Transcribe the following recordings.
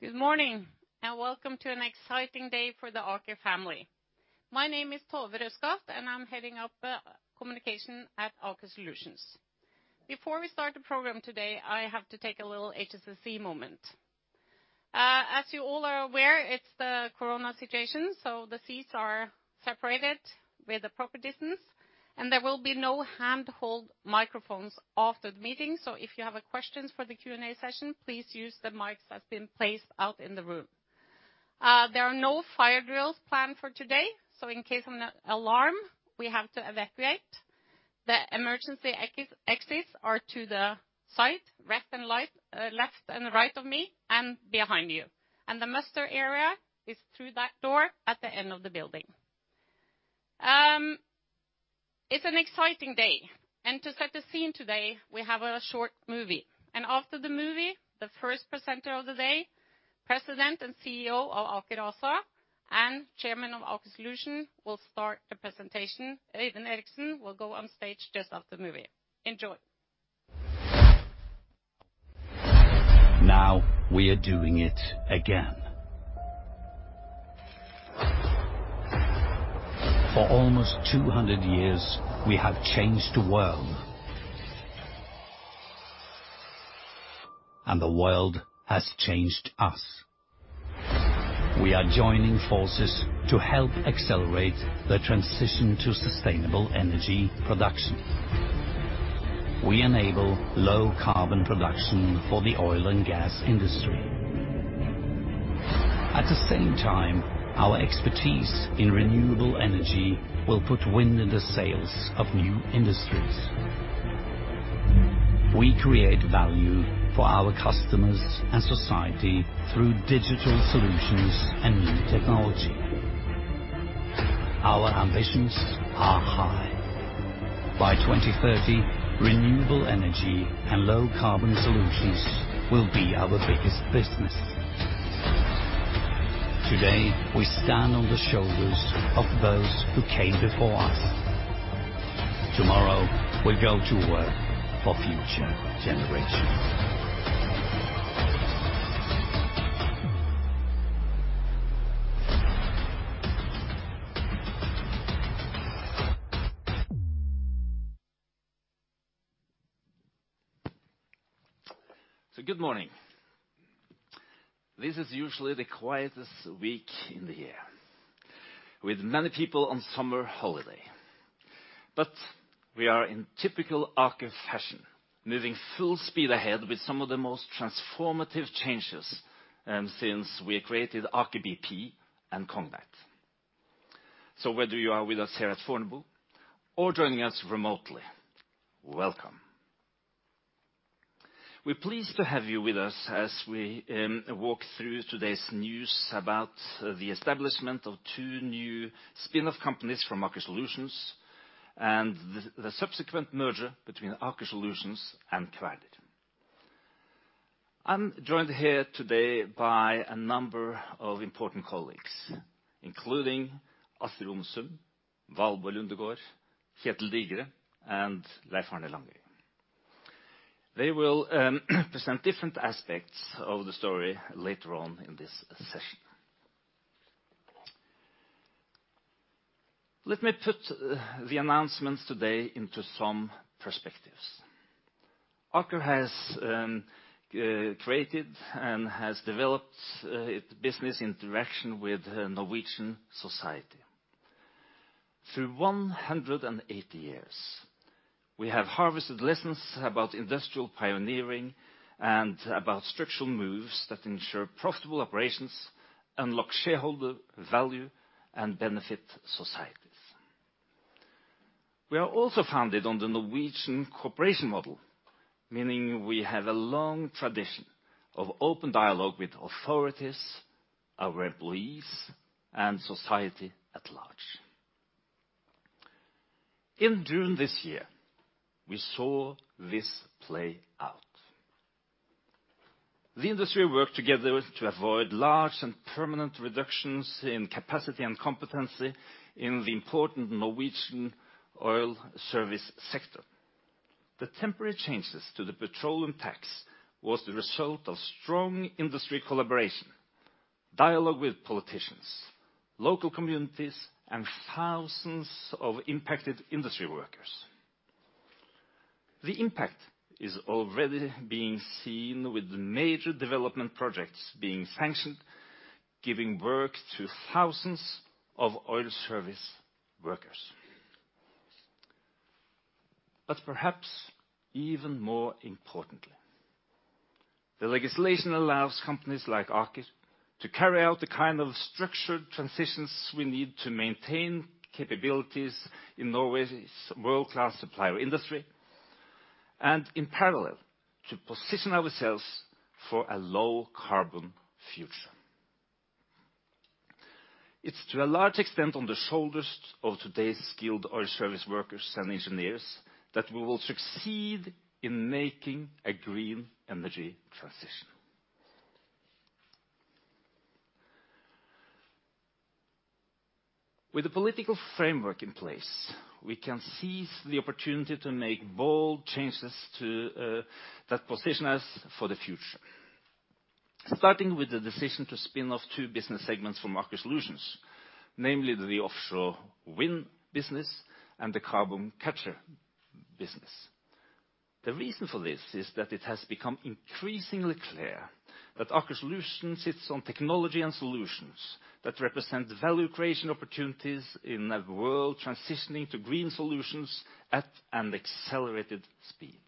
Good morning, welcome to an exciting day for the Aker family. My name is Tove Røskaft, and I'm heading up communication at Aker Solutions. Before we start the program today, I have to take a little HSSE moment. As you all are aware, it's the coronavirus situation, so the seats are separated with the proper distance, and there will be no hand-hold microphones after the meeting. If you have a question for the Q&A session, please use the mics that's been placed out in the room. There are no fire drills planned for today, so in case of an alarm, we have to evacuate. The emergency exits are to the side, left and right, left and right of me and behind you. The muster area is through that door at the end of the building. It's an exciting day and to set the scene today, we have a short movie. After the movie, the first presenter of the day, President and CEO of Aker ASA and Chairman of Aker Solutions, will start the presentation. Øyvind Eriksen will go on stage just after the movie. Enjoy. Now we are doing it again. For almost 200 years, we have changed the world. The world has changed us. We are joining forces to help accelerate the transition to sustainable energy production. We enable low-carbon production for the oil and gas industry. At the same time, our expertise in renewable energy will put wind in the sails of new industries. We create value for our customers and society through digital solutions and new technology. Our ambitions are high. By 2030, renewable energy and low-carbon solutions will be our biggest business. Today, we stand on the shoulders of those who came before us. Tomorrow, we go to work for future generations. Good morning. This is usually the quietest week in the year, with many people on summer holiday. We are in typical Aker fashion, moving full speed ahead with some of the most transformative changes since we created Aker BP and Cognite. Whether you are with us here at Fornebu or joining us remotely, welcome. We're pleased to have you with us as we walk through today's news about the establishment of two new spin-off companies from Aker Solutions and the subsequent merger between Aker Solutions and Kværner. I'm joined here today by a number of important colleagues, including Atle Røynesdal, Valborg Lundegaard, Kjetel Digre, and Leif-Arne Langøy. They will present different aspects of the story later on in this session. Let me put the announcements today into some perspectives. Aker has created and has developed its business interaction with Norwegian society. Through 180 years, we have harvested lessons about industrial pioneering and about structural moves that ensure profitable operations, unlock shareholder value and benefit societies. We are also founded on the Norwegian cooperation model, meaning we have a long tradition of open dialogue with authorities, our employees, and society at large. In June this year, we saw this play out. The industry worked together to avoid large and permanent reductions in capacity and competency in the important Norwegian oil service sector. The temporary changes to the petroleum tax was the result of strong industry collaboration, dialogue with politicians, local communities and thousands of impacted industry workers. The impact is already being seen with major development projects being sanctioned, giving work to thousands of oil service workers. Perhaps even more importantly, the legislation allows companies like Aker to carry out the kind of structured transitions we need to maintain capabilities in Norway's world-class supplier industry, and in parallel, to position ourselves for a low-carbon future. It's to a large extent on the shoulders of today's skilled oil service workers and engineers that we will succeed in making a green energy transition. With the political framework in place, we can seize the opportunity to make bold changes to that position us for the future. Starting with the decision to spin off two business segments from Aker Solutions, namely the Offshore Wind business and the Carbon Capture business. The reason for this is that it has become increasingly clear that Aker Solutions sits on technology and solutions that represent value creation opportunities in a world transitioning to green solutions at an accelerated speed.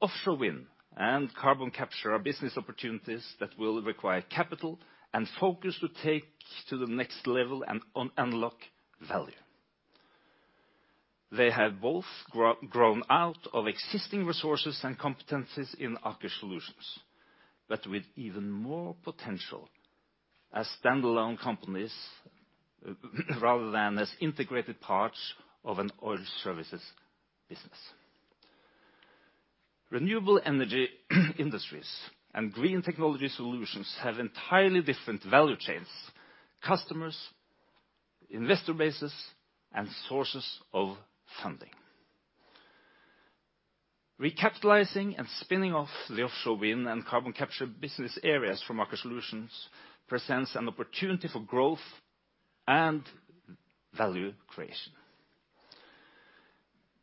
Offshore Wind and Carbon Capture are business opportunities that will require capital and focus to take to the next level and unlock value. They have both grown out of existing resources and competencies in Aker Solutions, but with even more potential as standalone companies rather than as integrated parts of an oil services business. Renewable energy industries and green technology solutions have entirely different value chains, customers, investor bases, and sources of funding. Recapitalizing and spinning off the Offshore Wind and Carbon Capture business areas from Aker Solutions presents an opportunity for growth and value creation.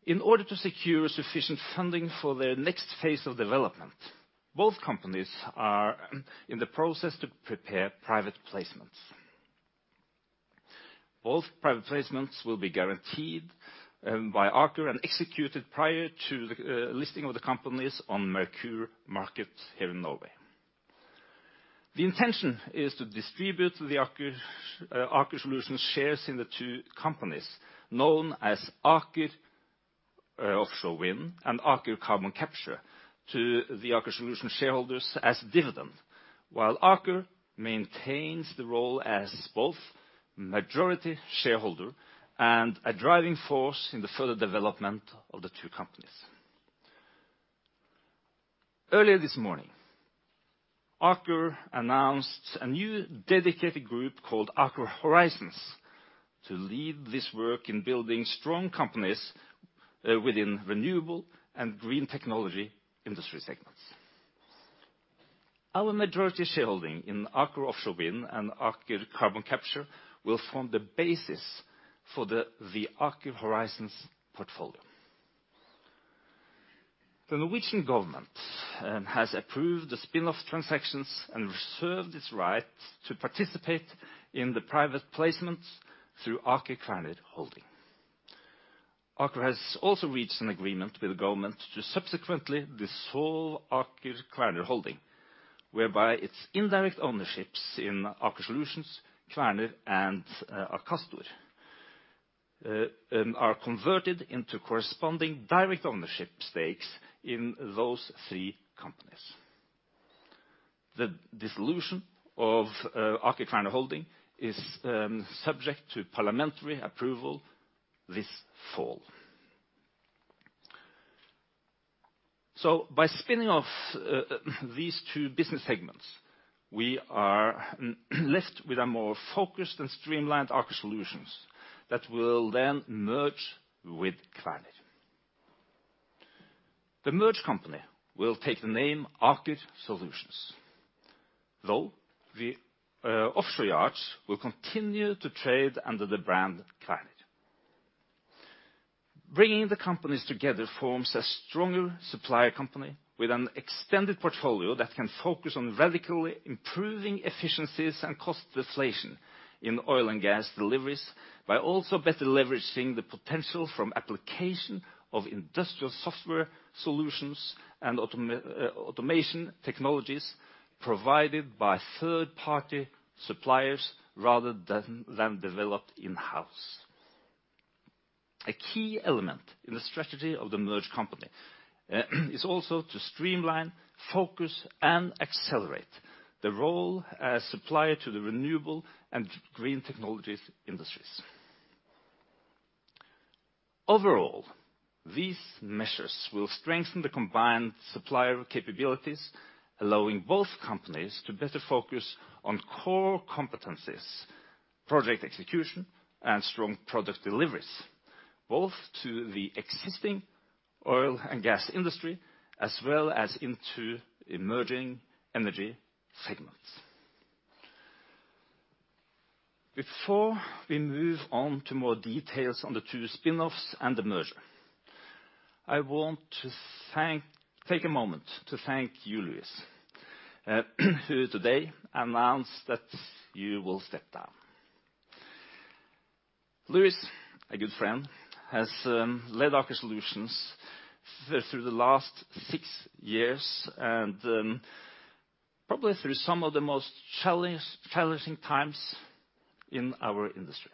In order to secure sufficient funding for the next phase of development, both companies are in the process to prepare private placements. Both private placements will be guaranteed by Aker and executed prior to the listing of the companies on Merkur Markets here in Norway. The intention is to distribute the Aker Solutions shares in the two companies known as Aker Offshore Wind and Aker Carbon Capture to the Aker Solutions shareholders as dividend, while Aker maintains the role as both majority shareholder and a driving force in the further development of the two companies. Earlier this morning, Aker announced a new dedicated group called Aker Horizons to lead this work in building strong companies within renewable and green technology industry segments. Our majority shareholding in Aker Offshore Wind and Aker Carbon Capture will form the basis for the Aker Horizons portfolio. The Norwegian government has approved the spin-off transactions and reserved its right to participate in the private placements through Aker Kværner Holding. Aker has also reached an agreement with the government to subsequently dissolve Aker Kværner Holding, whereby its indirect ownerships in Aker Solutions, Kværner, and Akastor are converted into corresponding direct ownership stakes in those three companies. The dissolution of Aker Kværner Holding is subject to parliamentary approval this fall. By spinning off these two business segments, we are left with a more focused and streamlined Aker Solutions that will then merge with Kværner. The merged company will take the name Aker Solutions, though the offshore yards will continue to trade under the brand Kværner. Bringing the companies together forms a stronger supplier company with an extended portfolio that can focus on radically improving efficiencies and cost deflation in oil and gas deliveries by also better leveraging the potential from application of industrial software solutions and automation technologies provided by third-party suppliers rather than developed in-house. A key element in the strategy of the merged company is also to streamline, focus, and accelerate the role as supplier to the renewable and green technologies industries. Overall, these measures will strengthen the combined supplier capabilities, allowing both companies to better focus on core competencies, project execution, and strong product deliveries, both to the existing oil and gas industry, as well as into emerging energy segments. Before we move on to more details on the two spin-offs and the merger, I want to take a moment to thank you, Luis, who today announced that you will step down. Luis, a good friend, has led Aker Solutions through the last six years and probably through some of the most challenging times in our industry.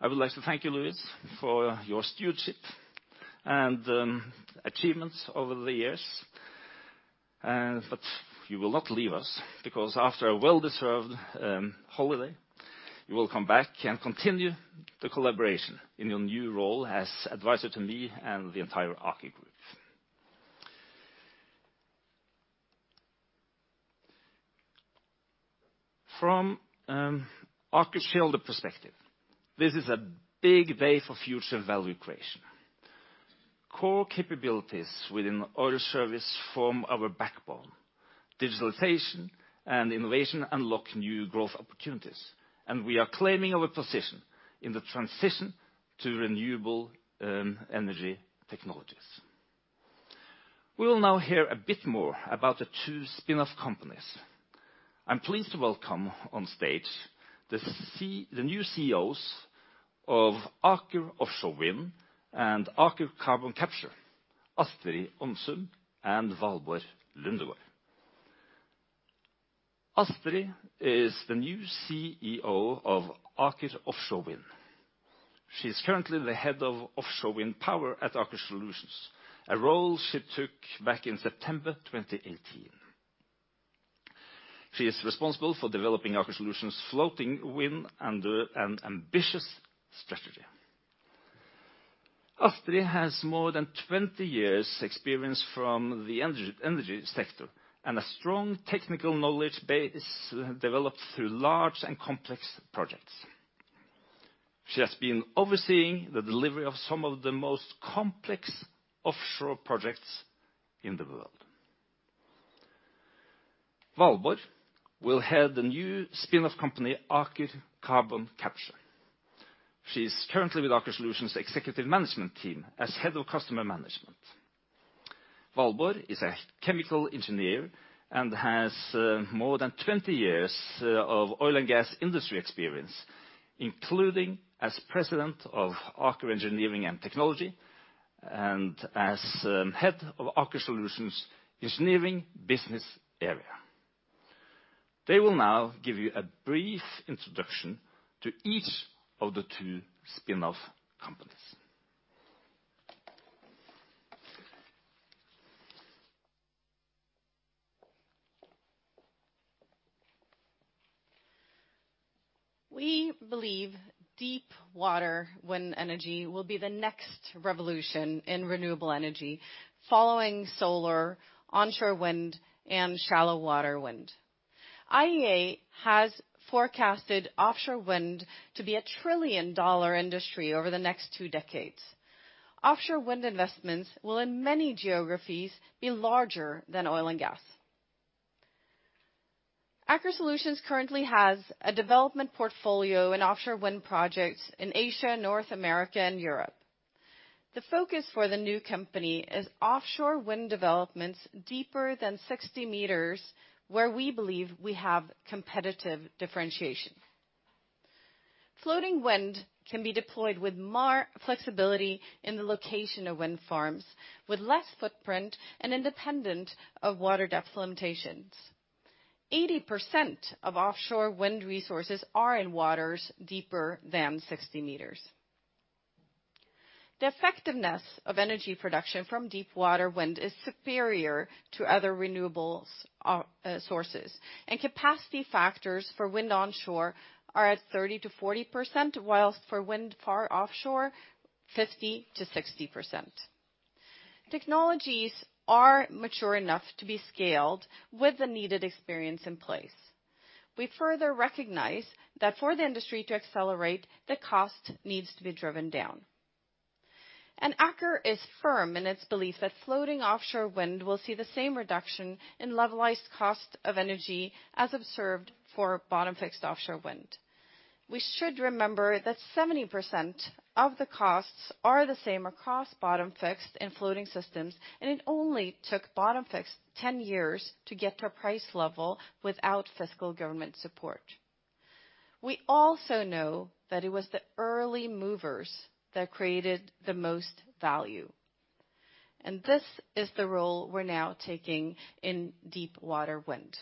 I would like to thank you, Luis, for your stewardship and achievements over the years. You will not leave us because after a well-deserved holiday, you will come back and continue the collaboration in your new role as advisor to me and the entire Aker group. From Aker shareholder perspective, this is a big day for future value creation. Core capabilities within oil service form our backbone. Digitalization and innovation unlock new growth opportunities, we are claiming our position in the transition to renewable energy technologies. We will now hear a bit more about the two spinoff companies. I'm pleased to welcome on stage the new CEOs of Aker Offshore Wind and Aker Carbon Capture, Astrid Onsum and Valborg Lundegaard. Astrid is the new CEO of Aker Offshore Wind. She's currently the head of Offshore Wind Power at Aker Solutions, a role she took back in September 2018. She is responsible for developing Aker Solutions' floating wind under an ambitious strategy. Astrid has more than 20 years experience from the energy sector and a strong technical knowledge base developed through large and complex projects. She has been overseeing the delivery of some of the most complex offshore projects in the world. Valborg will head the new spinoff company, Aker Carbon Capture. She's currently with Aker Solutions executive management team as head of customer management. Valborg is a chemical engineer and has more than 20 years of oil and gas industry experience, including as president of Aker Engineering and Technology and as head of Aker Solutions' engineering business area. They will now give you a brief introduction to each of the two spinoff companies. We believe deep water wind energy will be the next revolution in renewable energy, following solar, onshore wind, and shallow water wind. IEA has forecasted Offshore Wind to be a $1 trillion industry over the next two decades. Offshore wind investments will in many geographies be larger than oil and gas. Aker Solutions currently has a development portfolio in Offshore Wind projects in Asia, North America, and Europe. The focus for the new company is Offshore Wind developments deeper than 60 meters, where we believe we have competitive differentiation. Floating wind can be deployed with flexibility in the location of wind farms, with less footprint and independent of water depth limitations. 80% of Offshore Wind resources are in waters deeper than 60 meters. The effectiveness of energy production from deep water wind is superior to other renewables, sources, and capacity factors for wind onshore are at 30%-40%, whilst for wind far offshore, 50%-60%. Technologies are mature enough to be scaled with the needed experience in place. We further recognize that for the industry to accelerate, the cost needs to be driven down. Aker is firm in its belief that floating Offshore Wind will see the same reduction in Levelized Cost of Energy as observed for bottom-fixed Offshore Wind. We should remember that 70% of the costs are the same across bottom-fixed and floating systems, and it only took bottom-fixed 10 years to get to a price level without fiscal government support. We also know that it was the early movers that created the most value, and this is the role we're now taking in deep water wind.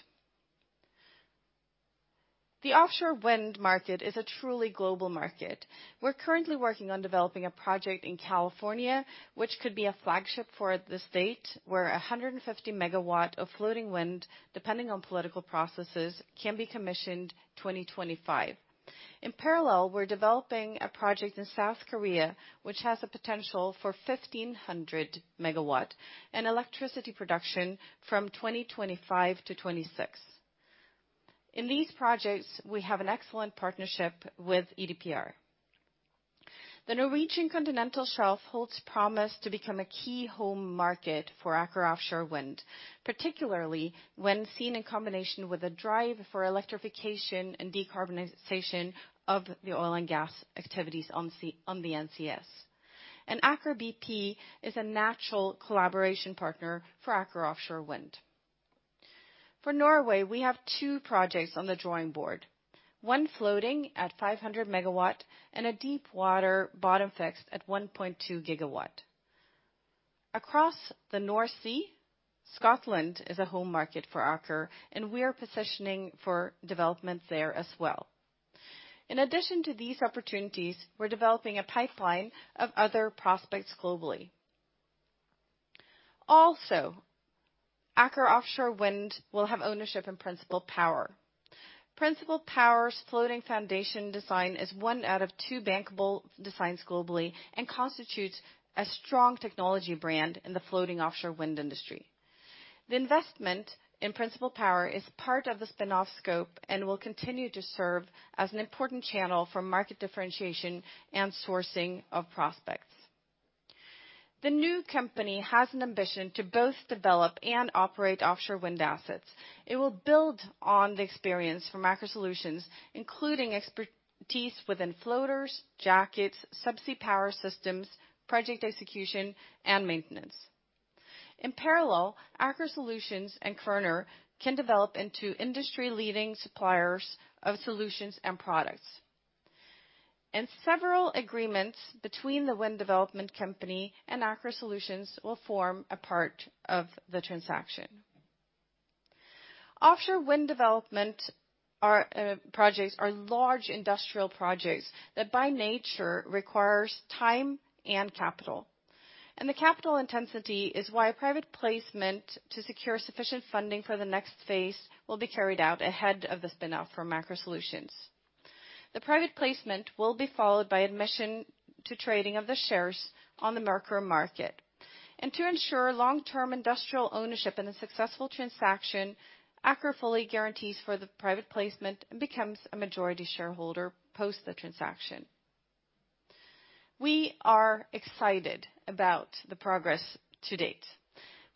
The Offshore Wind market is a truly global market. We're currently working on developing a project in California, which could be a flagship for the state, where 150 MW of floating wind, depending on political processes, can be commissioned 2025. In parallel, we're developing a project in South Korea, which has the potential for 1,500 MW and electricity production from 2025 to 2026. In these projects, we have an excellent partnership with EDPR. The Norwegian continental shelf holds promise to become a key home market for Aker Offshore Wind, particularly when seen in combination with a drive for electrification and decarbonization of the oil and gas activities on the NCS. Aker BP is a natural collaboration partner for Aker Offshore Wind. For Norway, we have two projects on the drawing board, one floating at 500 MW and a deep water bottom-fixed at 1.2 GW. Across the North Sea, Scotland is a home market for Aker, and we are positioning for development there as well. In addition to these opportunities, we're developing a pipeline of other prospects globally. Also, Aker Offshore Wind will have ownership in Principle Power. Principle Power's floating foundation design is one out of two bankable designs globally, and constitutes a strong technology brand in the floating Offshore Wind industry. The investment in Principle Power is part of the spin-off scope, and will continue to serve as an important channel for market differentiation and sourcing of prospects. The new company has an ambition to both develop and operate Offshore Wind assets. It will build on the experience from Aker Solutions, including expertise within floaters, jackets, sub-sea power systems, project execution, and maintenance. In parallel, Aker Solutions and Kværner can develop into industry-leading suppliers of solutions and products. Several agreements between the wind development company and Aker Solutions will form a part of the transaction. Offshore wind development projects are large industrial projects that by nature requires time and capital. The capital intensity is why private placement to secure sufficient funding for the next phase will be carried out ahead of the spin-off from Aker Solutions. The private placement will be followed by admission to trading of the shares on the Merkur Market. To ensure long-term industrial ownership in a successful transaction, Aker fully guarantees for the private placement and becomes a majority shareholder post the transaction. We are excited about the progress to date.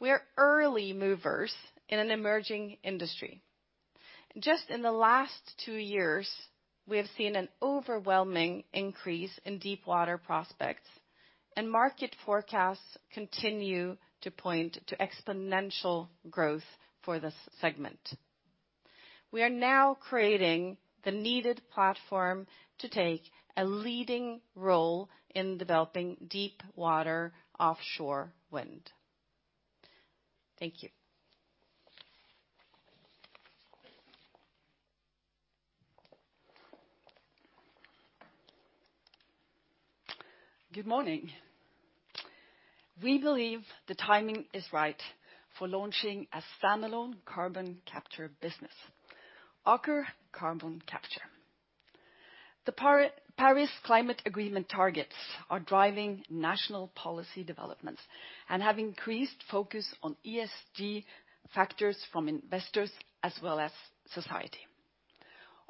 We are early movers in an emerging industry. Just in the last two years, we have seen an overwhelming increase in deep water prospects. Market forecasts continue to point to exponential growth for this segment. We are now creating the needed platform to take a leading role in developing deep water Offshore Wind. Thank you. Good morning. We believe the timing is right for launching a standalone Carbon Capture business, Aker Carbon Capture. The Paris Agreement targets are driving national policy developments, and have increased focus on ESG factors from investors as well as society.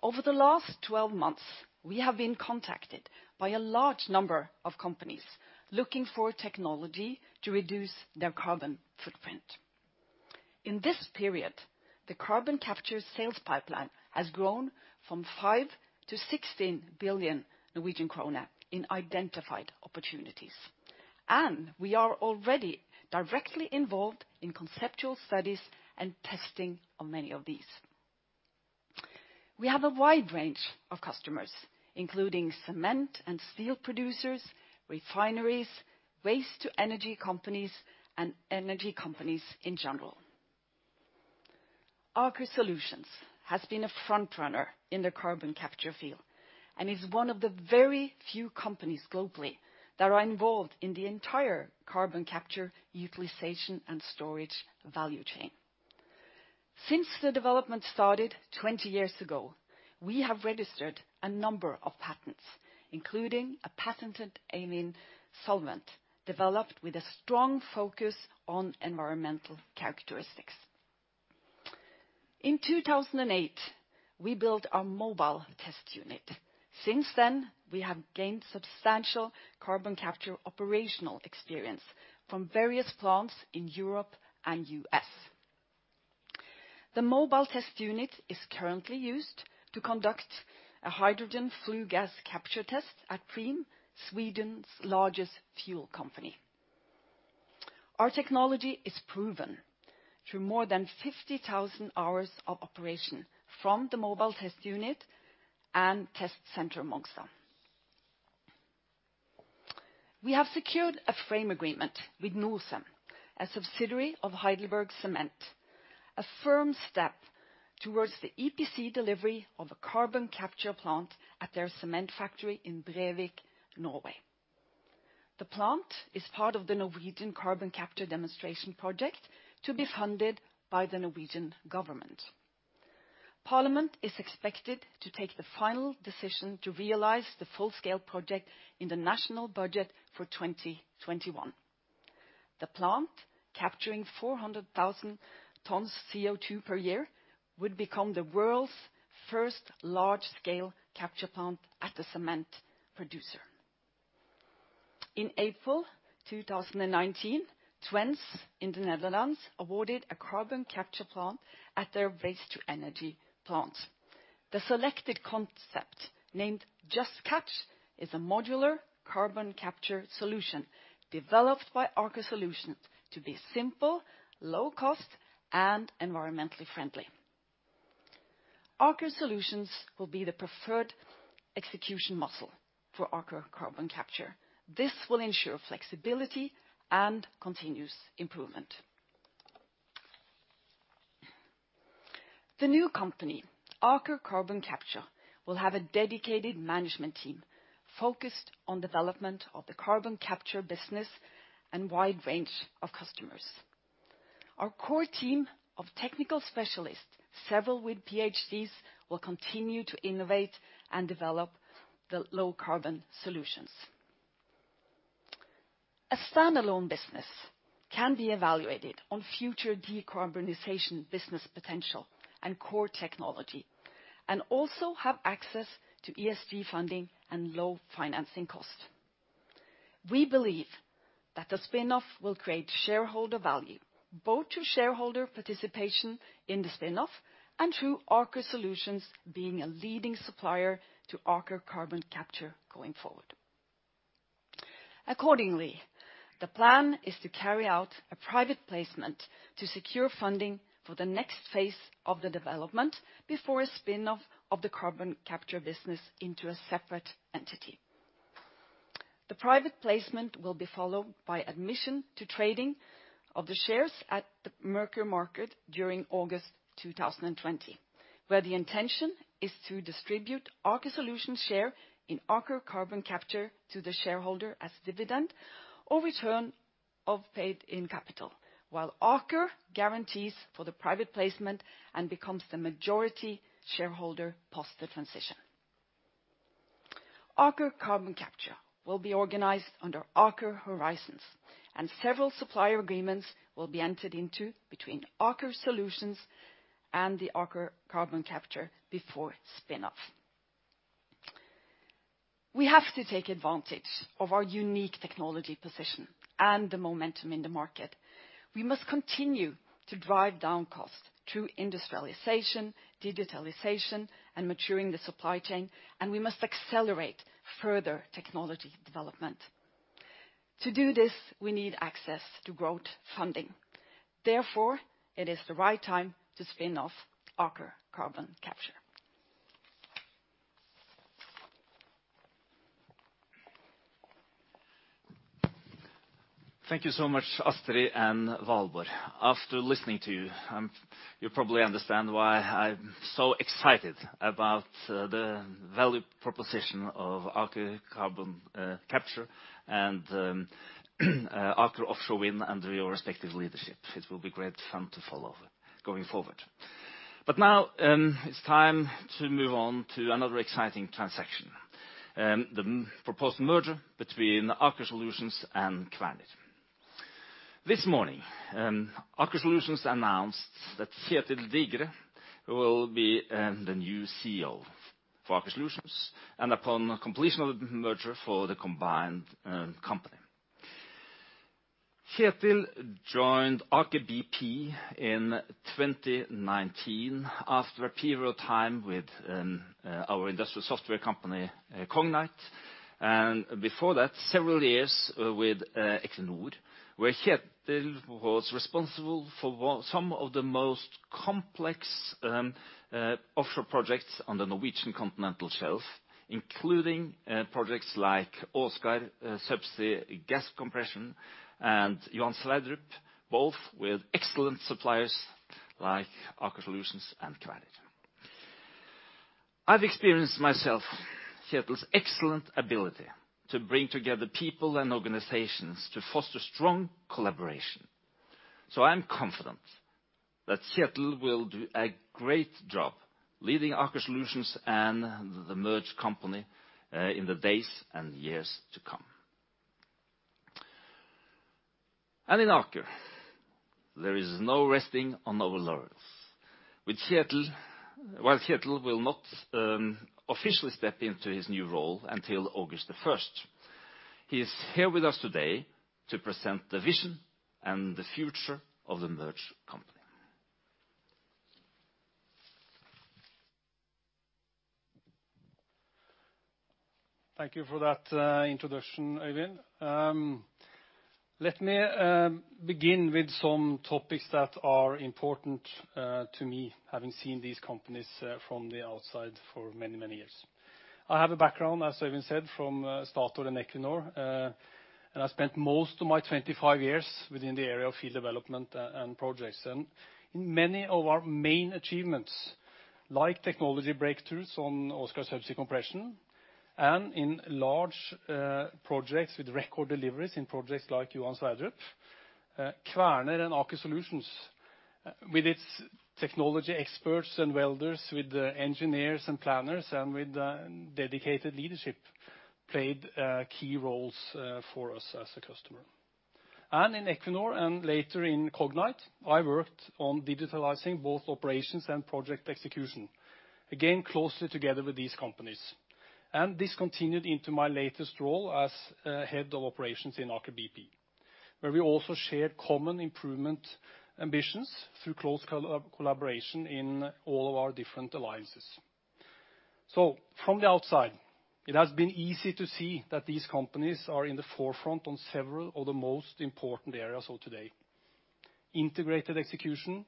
Over the last 12 months, we have been contacted by a large number of companies looking for technology to reduce their carbon footprint. In this period, the Carbon Capture sales pipeline has grown from 5 billion-16 billion Norwegian krone in identified opportunities. We are already directly involved in conceptual studies and testing on many of these. We have a wide range of customers, including cement and steel producers, refineries, waste-to-energy companies, and energy companies in general. Aker Solutions has been a frontrunner in the Carbon Capture field, and is one of the very few companies globally that are involved in the entire Carbon Capture utilization and storage value chain. Since the development started 20 years ago, we have registered a number of patents, including a patented amine solvent developed with a strong focus on environmental characteristics. In 2008, we built our mobile test unit. Since then, we have gained substantial Carbon Capture operational experience from various plants in Europe and U.S. The mobile test unit is currently used to conduct a hydrogen flue gas capture test at Preem, Sweden's largest fuel company. Our technology is proven through more than 50,000 hours of operation from the mobile test unit and test center Mongstad. We have secured a frame agreement with Norcem, a subsidiary of Heidelberg Materials, a firm step towards the EPC delivery of a Carbon Capture plant at their cement factory in Brevik, Norway. The plant is part of the Norwegian Carbon Capture Demonstration Project to be funded by the Norwegian government. Parliament is expected to take the final decision to realize the full-scale project in the national budget for 2021. The plant, capturing 400,000 tons CO2 per year, would become the world's first large-scale capture plant at a cement producer. In April 2019, Twence in the Netherlands awarded a Carbon Capture plant at their waste-to-energy plant. The selected concept, named Just Catch, is a modular Carbon Capture solution developed by Aker Solutions to be simple, low cost, and environmentally friendly. Aker Solutions will be the preferred execution muscle for Aker Carbon Capture. This will ensure flexibility and continuous improvement. The new company, Aker Carbon Capture, will have a dedicated management team focused on development of the Carbon Capture business and wide range of customers. Our core team of technical specialists, several with PhDs, will continue to innovate and develop the low-carbon solutions. A standalone business can be evaluated on future decarbonization business potential and core technology, and also have access to ESG funding and low financing costs. We believe that the spin-off will create shareholder value, both to shareholder participation in the spin-off and through Aker Solutions being a leading supplier to Aker Carbon Capture going forward. Accordingly, the plan is to carry out a private placement to secure funding for the next phase of the development before a spin-off of the Carbon Capture business into a separate entity. The private placement will be followed by admission to trading of the shares at the Merkur Market during August 2020, where the intention is to distribute Aker Solutions' share in Aker Carbon Capture to the shareholder as dividend or return of paid-in capital, while Aker guarantees for the private placement and becomes the majority shareholder post the transition. Aker Carbon Capture will be organized under Aker Horizons. Several supplier agreements will be entered into between Aker Solutions and the Aker Carbon Capture before spin-off. We have to take advantage of our unique technology position and the momentum in the market. We must continue to drive down costs through industrialization, digitalization, and maturing the supply chain. We must accelerate further technology development. To do this, we need access to growth funding. Therefore, it is the right time to spin off Aker Carbon Capture. Thank you so much, Astrid and Valborg. After listening to you probably understand why I'm so excited about the value proposition of Aker Carbon Capture and Aker Offshore Wind under your respective leadership. It will be great fun to follow going forward. Now, it's time to move on to another exciting transaction, the proposed merger between Aker Solutions and Kværner. This morning, Aker Solutions announced that Kjetel Digre will be the new CEO for Aker Solutions, and upon completion of the merger for the combined company. Kjetel joined Aker BP in 2019 after a period of time with our industrial software company, Cognite. Before that, several years with Equinor, where Kjetel was responsible for some of the most complex offshore projects on the Norwegian continental shelf, including projects like Åsgard, subsea gas compression, and Johan Sverdrup, both with excellent suppliers like Aker Solutions and Kværner. I've experienced myself Kjetel's excellent ability to bring together people and organizations to foster strong collaboration. I'm confident that Kjetel will do a great job leading Aker Solutions and the merged company in the days and years to come. In Aker, there is no resting on our laurels. While Kjetel will not officially step into his new role until August the first, he is here with us today to present the vision and the future of the merged company. Thank you for that introduction, Øyvind. Let me begin with some topics that are important to me, having seen these companies from the outside for many, many years. I have a background, as Øyvind said, from Statoil and Equinor, and I spent most of my 25 years within the area of field development and projects. In many of our main achievements, like technology breakthroughs on Åsgard subsea compression and in large projects with record deliveries in projects like Johan Sverdrup, Kværner and Aker Solutions, with its technology experts and welders, with the engineers and planners, and with the dedicated leadership, played key roles for us as a customer. In Equinor and later in Cognite, I worked on digitalizing both operations and project execution, again, closely together with these companies. This continued into my latest role as head of operations in Aker BP, where we also shared common improvement ambitions through close collaboration in all of our different alliances. From the outside, it has been easy to see that these companies are in the forefront on several of the most important areas of today: integrated execution,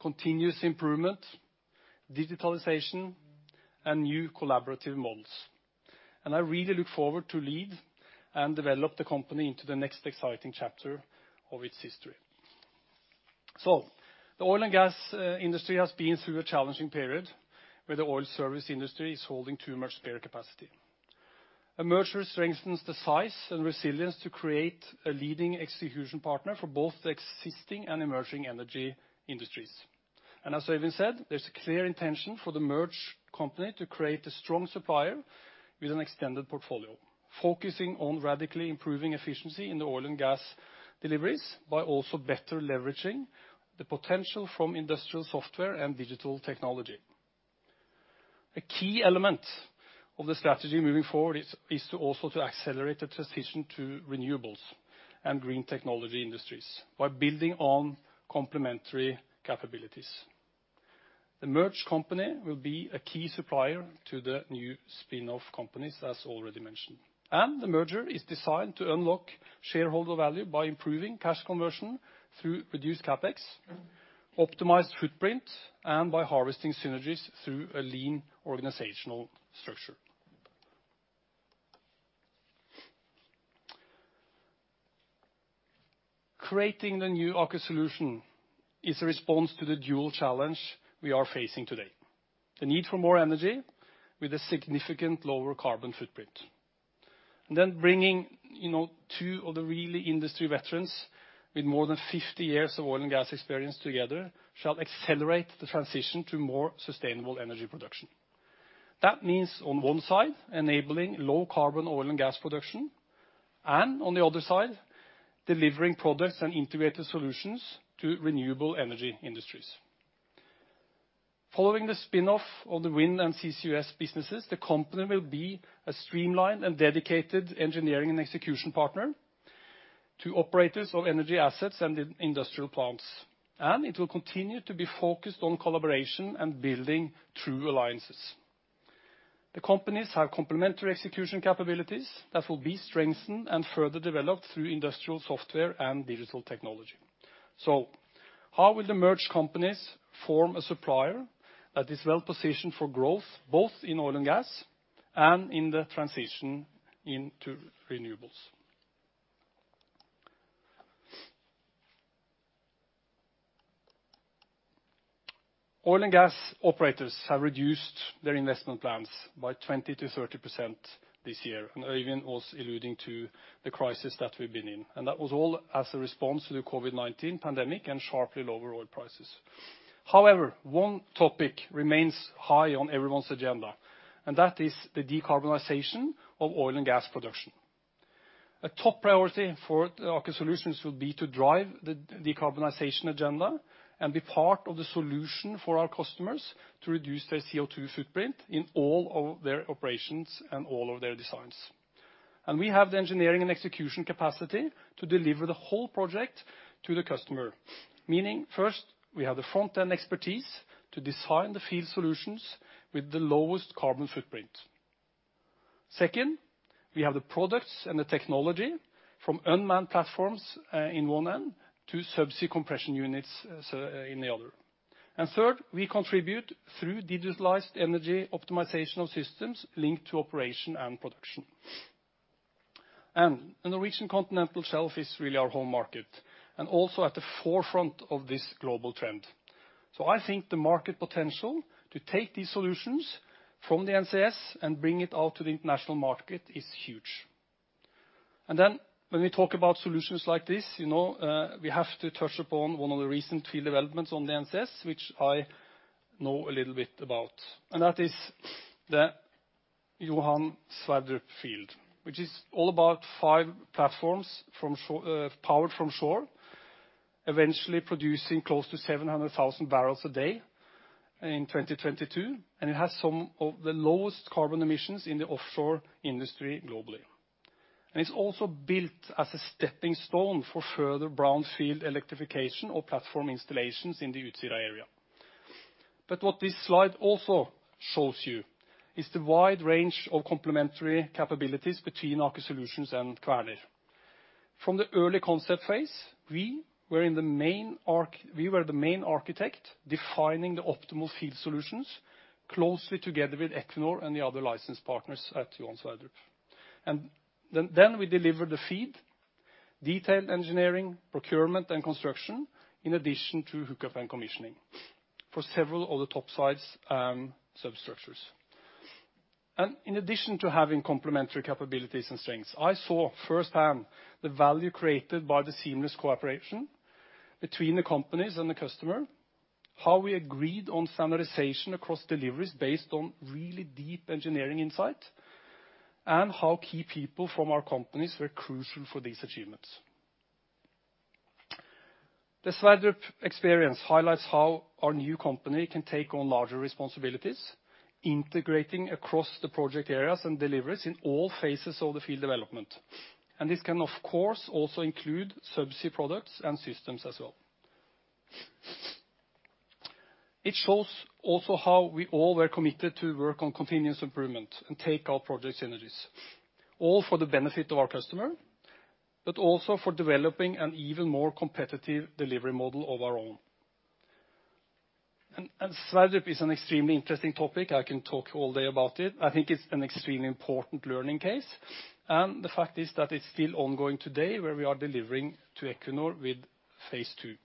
continuous improvement, digitalization, and new collaborative models. I really look forward to lead and develop the company into the next exciting chapter of its history. The oil and gas industry has been through a challenging period, where the oil service industry is holding too much spare capacity. A merger strengthens the size and resilience to create a leading execution partner for both the existing and emerging energy industries. As Øyvind said, there's a clear intention for the merged company to create a strong supplier with an extended portfolio, focusing on radically improving efficiency in the oil and gas deliveries by also better leveraging the potential from industrial software and digital technology. A key element of the strategy moving forward is to also accelerate the transition to renewables and green technology industries by building on complementary capabilities. The merged company will be a key supplier to the new spin-off companies, as already mentioned. The merger is designed to unlock shareholder value by improving cash conversion through reduced CapEx, optimized footprint, and by harvesting synergies through a lean organizational structure. Creating the new Aker Solutions is a response to the dual challenge we are facing today, the need for more energy with a significant lower carbon footprint. Bringing, you know, two of the really industry veterans with more than 50 years of oil and gas experience together shall accelerate the transition to more sustainable energy production. That means on one side, enabling low carbon oil and gas production, and on the other side, delivering products and integrated solutions to renewable energy industries. Following the spin-off of the Wind and CCUS businesses, the company will be a streamlined and dedicated engineering and execution partner to operators of energy assets and in industrial plants. It will continue to be focused on collaboration and building true alliances. The companies have complementary execution capabilities that will be strengthened and further developed through industrial software and digital technology. How will the merged companies form a supplier that is well-positioned for growth, both in oil and gas, and in the transition into renewables? Oil and gas operators have reduced their investment plans by 20% to 30% this year. Øyvind was alluding to the crisis that we've been in. That was all as a response to the COVID-19 pandemic and sharply lower oil prices. However, one topic remains high on everyone's agenda, and that is the decarbonization of oil and gas production. A top priority for Aker Solutions will be to drive the decarbonization agenda and be part of the solution for our customers to reduce their CO2 footprint in all of their operations and all of their designs. We have the engineering and execution capacity to deliver the whole project to the customer. Meaning first, we have the front-end expertise to design the field solutions with the lowest carbon footprint. Second, we have the products and the technology from unmanned platforms, in one end to subsea compression units in the other. Third, we contribute through digitalized energy optimizational systems linked to operation and production. The Norwegian Continental Shelf is really our home market, and also at the forefront of this global trend. I think the market potential to take these solutions from the NCS and bring it out to the international market is huge. When we talk about solutions like this, you know, we have to touch upon one of the recent field developments on the NCS, which I know a little bit about, and that is the Johan Sverdrup field, which is all about five platforms powered from shore, eventually producing close to 700,000 barrels a day in 2022, and it has some of the lowest carbon emissions in the offshore industry globally. It's also built as a stepping stone for further brown field electrification or platform installations in the Utsira area. What this slide also shows you is the wide range of complementary capabilities between Aker Solutions and Kværner. From the early concept phase, we were the main architect defining the optimal field solutions closely together with Equinor and the other license partners at Johan Sverdrup. We delivered the FEED, detailed engineering, procurement, and construction, in addition to hookup and commissioning for several of the topsides, substructures. In addition to having complementary capabilities and strengths, I saw firsthand the value created by the seamless cooperation between the companies and the customer, how we agreed on standardization across deliveries based on really deep engineering insight, and how key people from our companies were crucial for these achievements. The Sverdrup experience highlights how our new company can take on larger responsibilities, integrating across the project areas and deliveries in all phases of the field development. This can, of course, also include subsea products and systems as well. It shows also how we all were committed to work on continuous improvement and take our project synergies, all for the benefit of our customer, also for developing an even more competitive delivery model of our own. Sverdrup is an extremely interesting topic, I can talk all day about it. I think it's an extremely important learning case, the fact is that it's still ongoing today, where we are delivering to Equinor with phase two.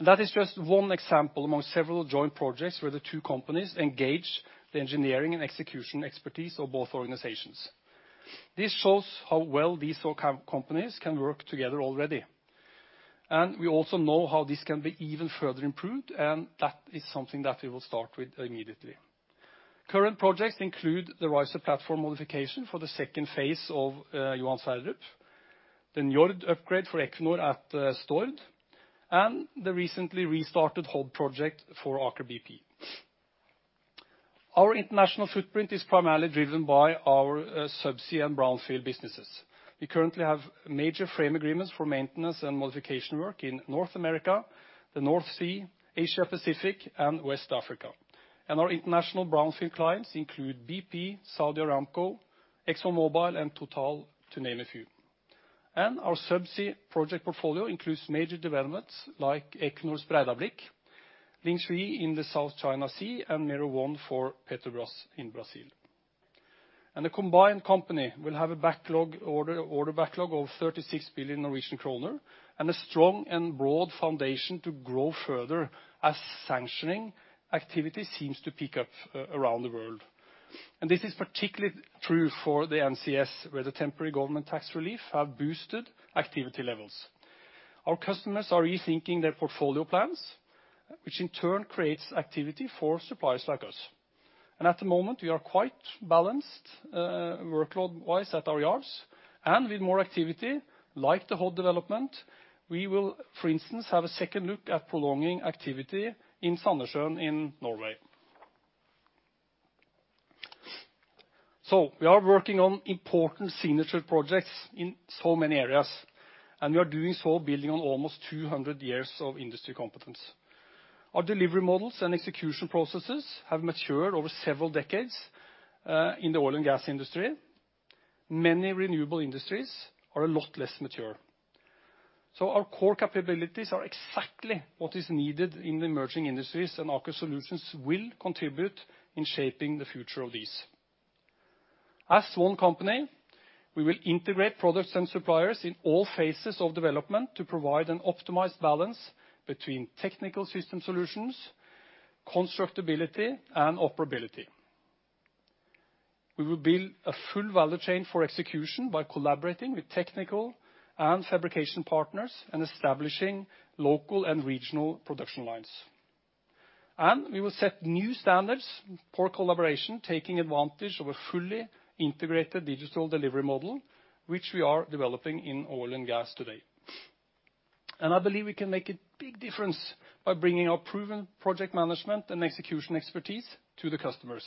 That is just one example among several joint projects where the two companies engage the engineering and execution expertise of both organizations. This shows how well these two companies can work together already. We also know how this can be even further improved, and that is something that we will start with immediately. Current projects include the riser platform modification for the second phase of Johan Sverdrup, the Njord upgrade for Equinor at Stord, and the recently restarted Hod project for Aker BP. Our international footprint is primarily driven by our subsea and brownfield businesses. We currently have major frame agreements for maintenance and modification work in North America, the North Sea, Asia-Pacific, and West Africa. Our international brownfield clients include BP, Saudi Aramco, ExxonMobil, and Total, to name a few. Our subsea project portfolio includes major developments like Equinor's Breidablik, Lingxi in the South China Sea, and Mero-1 for Petrobras in Brazil. The combined company will have an order backlog of 36 billion Norwegian kroner and a strong and broad foundation to grow further as sanctioning activity seems to pick up around the world. This is particularly true for the NCS, where the temporary government tax relief have boosted activity levels. Our customers are rethinking their portfolio plans, which in turn creates activity for suppliers like us. At the moment, we are quite balanced, workload-wise at our yards, and with more activity, like the Hod development, we will, for instance, have a second look at prolonging activity in Sandnessjøen in Norway. We are working on important signature projects in so many areas, and we are doing so building on almost 200 years of industry competence. Our delivery models and execution processes have matured over several decades in the oil and gas industry. Many renewable industries are a lot less mature. Our core capabilities are exactly what is needed in the emerging industries, and Aker Solutions will contribute in shaping the future of these. As one company, we will integrate products and suppliers in all phases of development to provide an optimized balance between technical system solutions, constructability, and operability. We will build a full value chain for execution by collaborating with technical and fabrication partners and establishing local and regional production lines. We will set new standards for collaboration, taking advantage of a fully integrated digital delivery model, which we are developing in oil and gas today. I believe we can make a big difference by bringing our proven project management and execution expertise to the customers,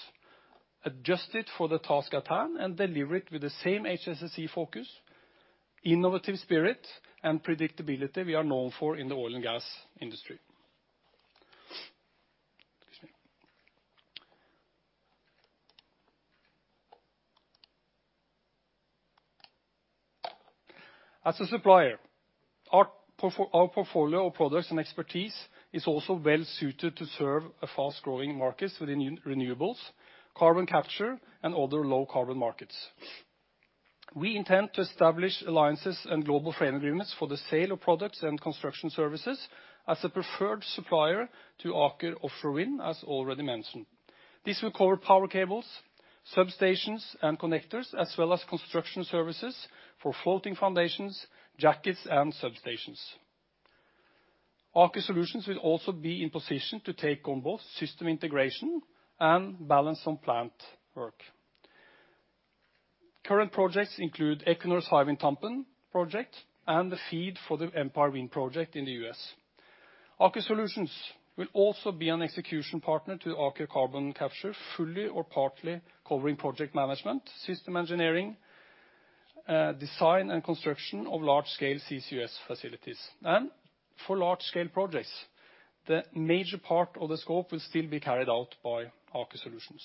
adjust it for the task at hand, and deliver it with the same HSSE focus, innovative spirit, and predictability we are known for in the oil and gas industry. Excuse me. As a supplier, our portfolio of products and expertise is also well suited to serve a fast-growing market within renewables, Carbon Capture, and other low-carbon markets. We intend to establish alliances and global frame agreements for the sale of products and construction services as a preferred supplier to Aker Offshore Wind, as already mentioned. This will cover power cables, substations, and connectors, as well as construction services for floating foundations, jackets, and substations. Aker Solutions will also be in position to take on both system integration and balance of plant work. Current projects include Equinor's Hywind Tampen project and the FEED for the Empire Wind project in the U.S. Aker Solutions will also be an execution partner to Aker Carbon Capture, fully or partly covering project management, system engineering, design, and construction of large-scale CCUS facilities. For large-scale projects, the major part of the scope will still be carried out by Aker Solutions.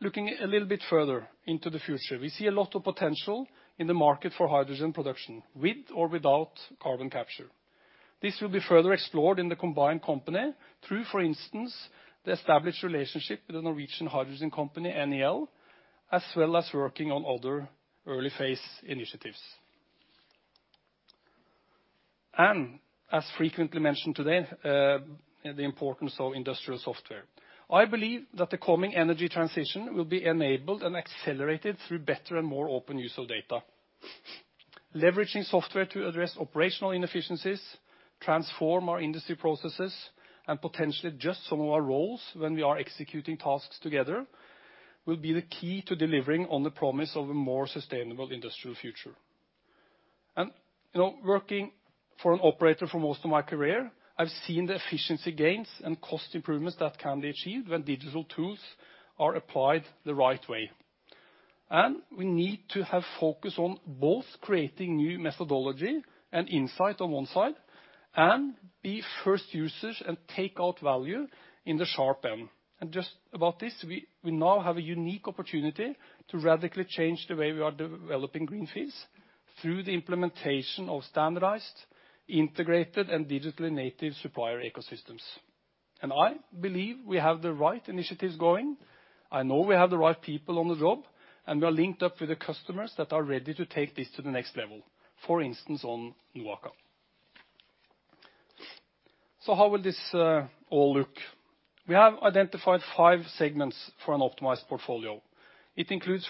Looking a little bit further into the future, we see a lot of potential in the market for hydrogen production, with or without Carbon Capture. This will be further explored in the combined company through, for instance, the established relationship with the Norwegian hydrogen company, NEL, as well as working on other early-phase initiatives. As frequently mentioned today, the importance of industrial software. I believe that the coming energy transition will be enabled and accelerated through better and more open use of data. Leveraging software to address operational inefficiencies, transform our industry processes, and potentially adjust some of our roles when we are executing tasks together, will be the key to delivering on the promise of a more sustainable industrial future. You know, working for an operator for most of my career, I've seen the efficiency gains and cost improvements that can be achieved when digital tools are applied the right way. We need to have focus on both creating new methodology and insight on one side and be first users and take out value in the sharp end. Just about this, we now have a unique opportunity to radically change the way we are developing greenfields through the implementation of standardized, integrated, and digitally native supplier ecosystems. I believe we have the right initiatives going. I know we have the right people on the job, and we are linked up with the customers that are ready to take this to the next level, for instance, on NOAKA. How will this all look? We have identified five segments for an optimized portfolio. It includes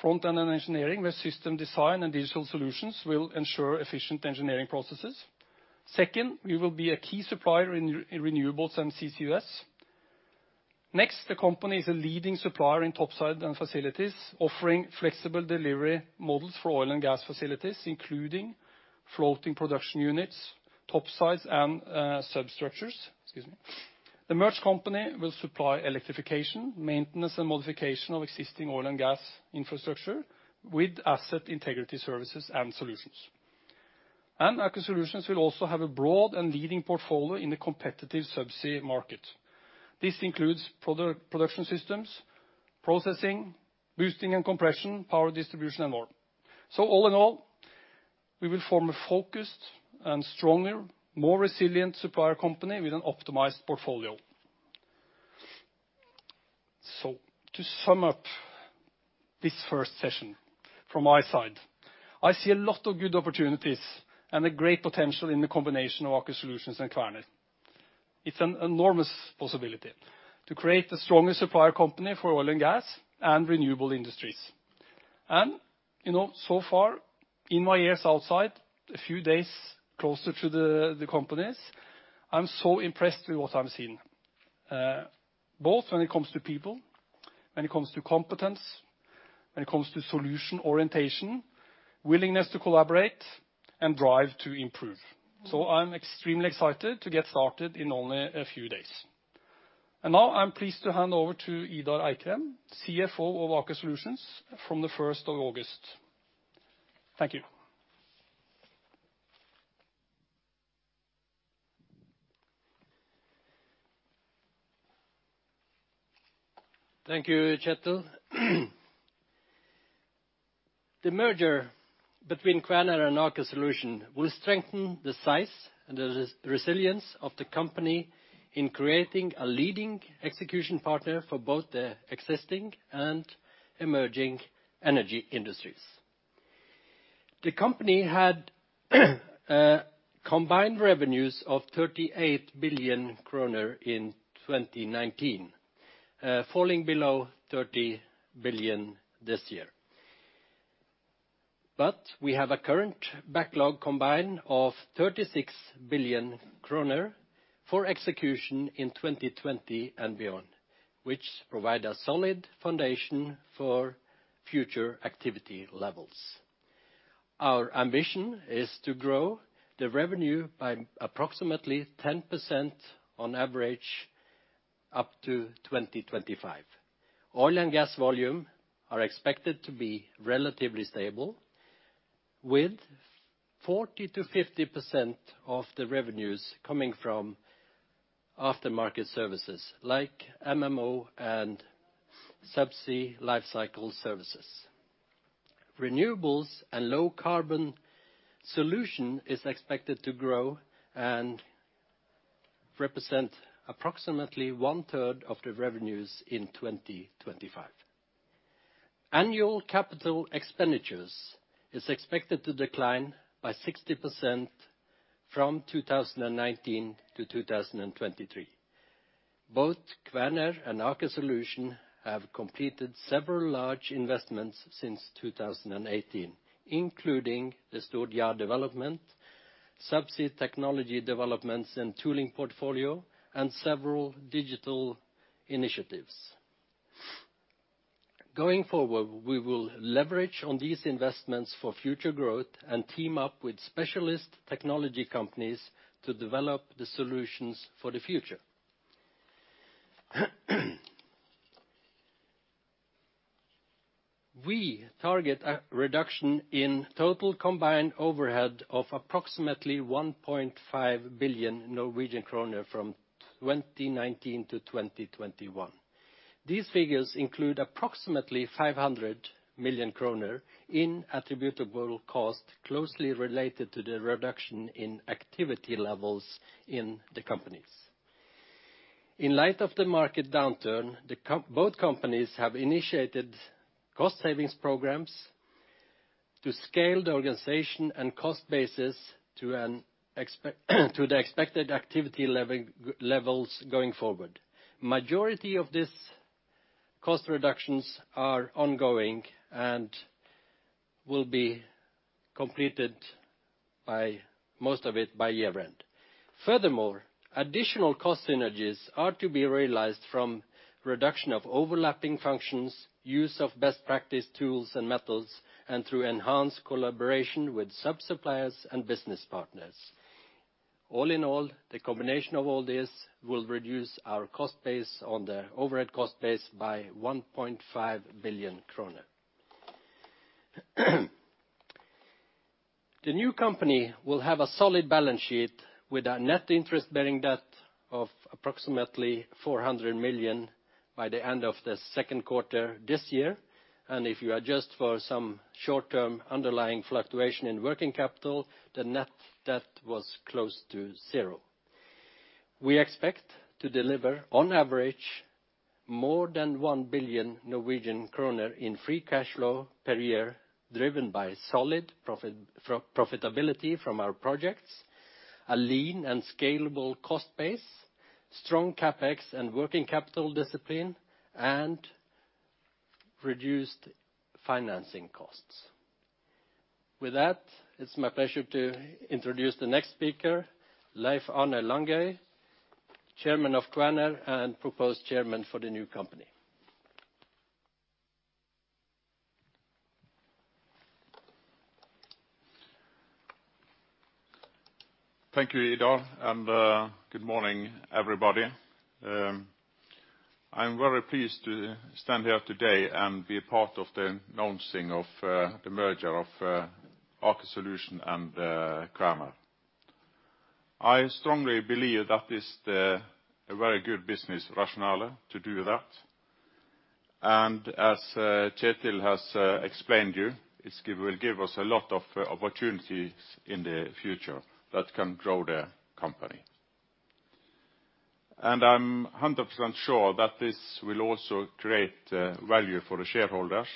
front-end engineering where system design and digital solutions will ensure efficient engineering processes. Second, we will be a key supplier in renewables and CCUS. The company is a leading supplier in topside and facilities, offering flexible delivery models for oil and gas facilities, including floating production units, topsides and substructures. Excuse me. The merged company will supply electrification, maintenance, and modification of existing oil and gas infrastructure with asset integrity services and solutions. Aker Solutions will also have a broad and leading portfolio in the competitive subsea market. This includes production systems, processing, boosting and compression, power distribution and more. All in all, we will form a focused and stronger, more resilient supplier company with an optimized portfolio. To sum up this first session from my side, I see a lot of good opportunities and a great potential in the combination of Aker Solutions and Kværner. It's an enormous possibility to create the strongest supplier company for oil and gas and renewable industries. you know, so far in my years outside, a few days closer to the companies, I'm so impressed with what I'm seeing. both when it comes to people, when it comes to competence, when it comes to solution orientation, willingness to collaborate, and drive to improve. I'm extremely excited to get started in only a few days. now I'm pleased to hand over to Idar Eikrem, CFO of Aker Solutions from the first of August. Thank you. Thank you, Kjetel. The merger between Kværner and Aker Solutions will strengthen the size and the resilience of the company in creating a leading execution partner for both the existing and emerging energy industries. The company had combined revenues of 38 billion kroner in 2019, falling below 30 billion NOK this year. We have a current backlog combined of 36 billion kroner for execution in 2020 and beyond, which provide a solid foundation for future activity levels. Our ambition is to grow the revenue by approximately 10% on average up to 2025. Oil and gas volume are expected to be relatively stable, with 40%-50% of the revenues coming from aftermarket services like MMO and subsea lifecycle services. Renewables and low carbon solution is expected to grow and represent approximately 1/3 of the revenues in 2025. Annual CapEx is expected to decline by 60% from 2019 to 2023. Both Kværner and Aker Solutions have completed several large investments since 2018, including the Stord Yard development, subsea technology developments and tooling portfolio, and several digital initiatives. Going forward, we will leverage on these investments for future growth and team up with specialist technology companies to develop the solutions for the future. We target a reduction in total combined overhead of approximately 1.5 billion Norwegian kroner from 2019 to 2021. These figures include approximately 500 million kroner in attributable cost closely related to the reduction in activity levels in the companies. In light of the market downturn, both companies have initiated cost savings programs to scale the organization and cost bases to the expected activity levels going forward. Majority of these cost reductions are ongoing and will be completed by most of it by year-end. Furthermore, additional cost synergies are to be realized from reduction of overlapping functions, use of best practice tools and methods, and through enhanced collaboration with sub-suppliers and business partners. All in all, the combination of all this will reduce our cost base on the overhead cost base by 1.5 billion kroner. The new company will have a solid balance sheet with a net interest bearing debt of approximately 400 million by the end of the second quarter this year. If you adjust for some short-term underlying fluctuation in working capital, the net debt was close to zero. We expect to deliver on average, more than 1 billion Norwegian kroner in free cash flow per year, driven by solid profitability from our projects, a lean and scalable cost base, strong CapEx and working capital discipline, and reduced financing costs. With that, it's my pleasure to introduce the next speaker, Leif-Arne Langøy, Chairman of Kværner and proposed chairman for the new company. Thank you, Idar, and good morning, everybody. I'm very pleased to stand here today and be a part of the announcing of the merger of Aker Solutions and Kværner. I strongly believe that this a very good business rationale to do that. As Kjetel has explained you, it will give us a lot of opportunities in the future that can grow the company. I'm 100% sure that this will also create value for the shareholders,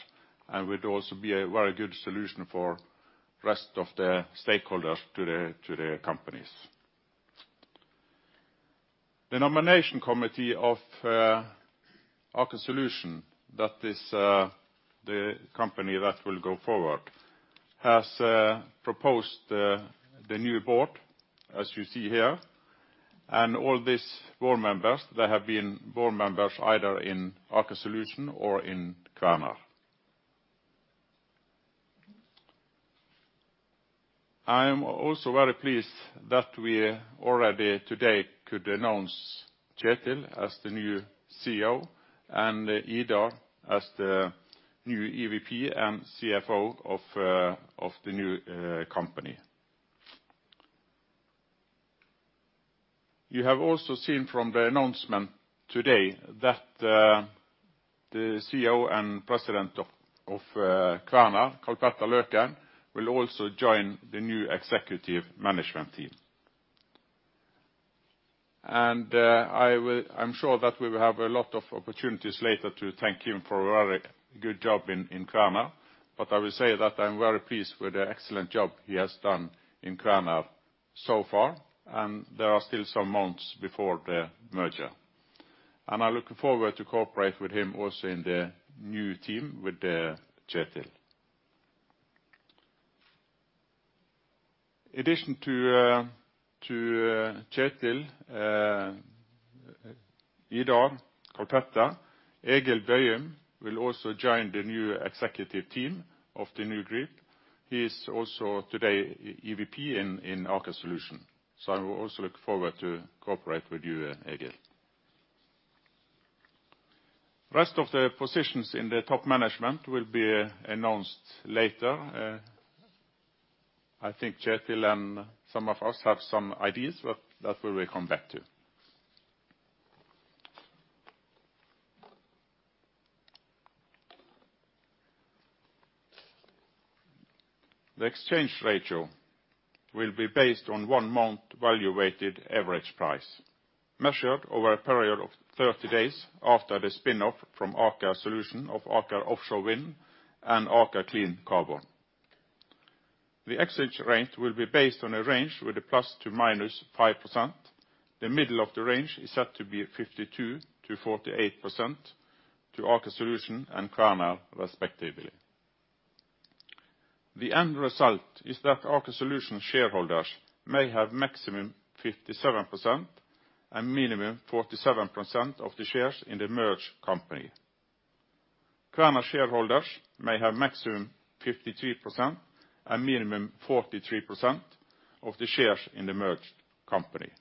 and would also be a very good solution for rest of the stakeholders to the companies. The nomination committee of Aker Solutions, that is the company that will go forward, has proposed the new board, as you see here. All these board members, they have been board members either in Aker Solutions or in Kværner. I am also very pleased that we already today could announce Kjetel as the new CEO and Idar as the new EVP and CFO of the new company. You have also seen from the announcement today that the CEO and President of Kværner, Karl-Petter Løken, will also join the new executive management team. I'm sure that we will have a lot of opportunities later to thank him for a very good job in Kværner. I will say that I'm very pleased with the excellent job he has done in Kværner so far, and there are still some months before the merger. I'm looking forward to cooperate with him also in the new team with Kjetel. In addition to Kjetel, Idar, Karl-Petter, Egil Bøyum will also join the new executive team of the new group. He is also today EVP in Aker Solutions. I will also look forward to cooperate with you, Egil. Rest of the positions in the top management will be announced later. I think Kjetel and some of us have some ideas, but that we will come back to. The exchange ratio will be based on 1 month value-weighted average price, measured over a period of 30 days after the spin-off from Aker Solutions of Aker Offshore Wind and Aker Carbon Capture. The exchange rate will be based on a range with a plus to minus 5%. The middle of the range is set to be 52%-48% to Aker Solutions and Kværner respectively. The end result is that Aker Solutions shareholders may have maximum 57% and minimum 47% of the shares in the merged company. Kværner shareholders may have maximum 53% and minimum 43% of the shares in the merged company.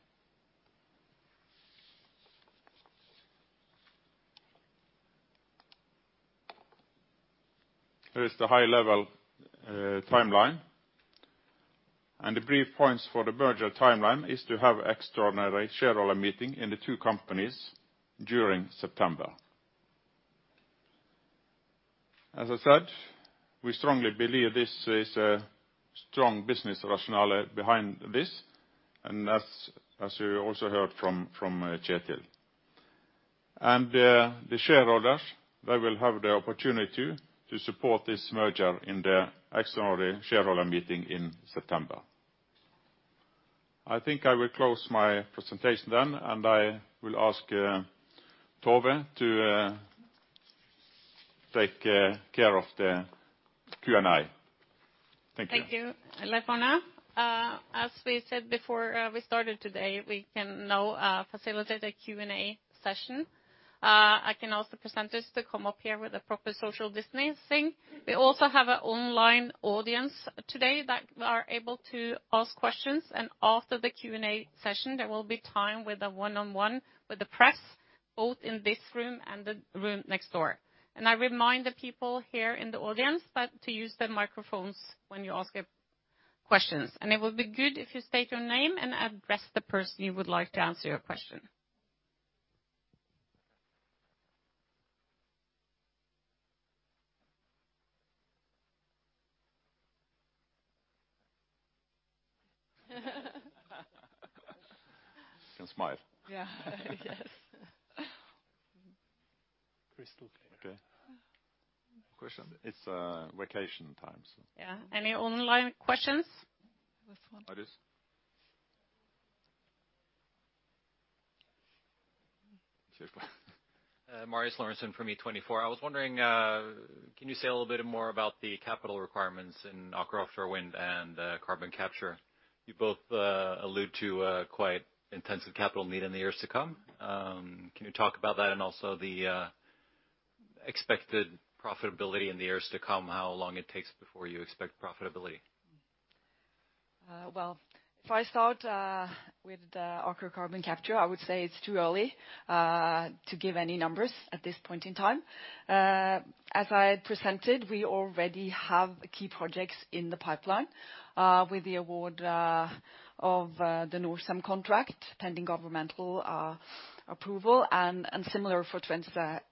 Here is the high level timeline. The brief points for the merger timeline is to have extraordinary shareholder meeting in the two companies during September. As I said, we strongly believe this is a strong business rationale behind this, and as you also heard from Kjetel. The shareholders, they will have the opportunity to support this merger in the extraordinary shareholder meeting in September. I think I will close my presentation then. I will ask Tove to take care of the Q&A. Thank you. Thank you, Leif-Arne. As we said before, we started today, we can now facilitate a Q&A session. I can ask the presenters to come up here with the proper social distancing. We also have an online audience today that are able to ask questions. After the Q&A session, there will be time with a one-on-one with the press, both in this room and the room next door. I remind the people here in the audience that to use the microphones when you ask a question. It will be good if you state your name and address the person you would like to answer your question. Can smile. Yeah. Yes. Crystal clear. Okay. Question. It's vacation time, so Yeah. Any online questions? This one. Oh, this? Marius Lorentzen from E24. I was wondering, can you say a little bit more about the capital requirements in Aker Offshore Wind and Carbon Capture? You both allude to a quite intensive capital need in the years to come. Can you talk about that, and also the expected profitability in the years to come, how long it takes before you expect profitability? Well, if I start with the Aker Carbon Capture, I would say it's too early to give any numbers at this point in time. As I presented, we already have key projects in the pipeline with the award of the Norcem contract, pending governmental approval, and similar for Twence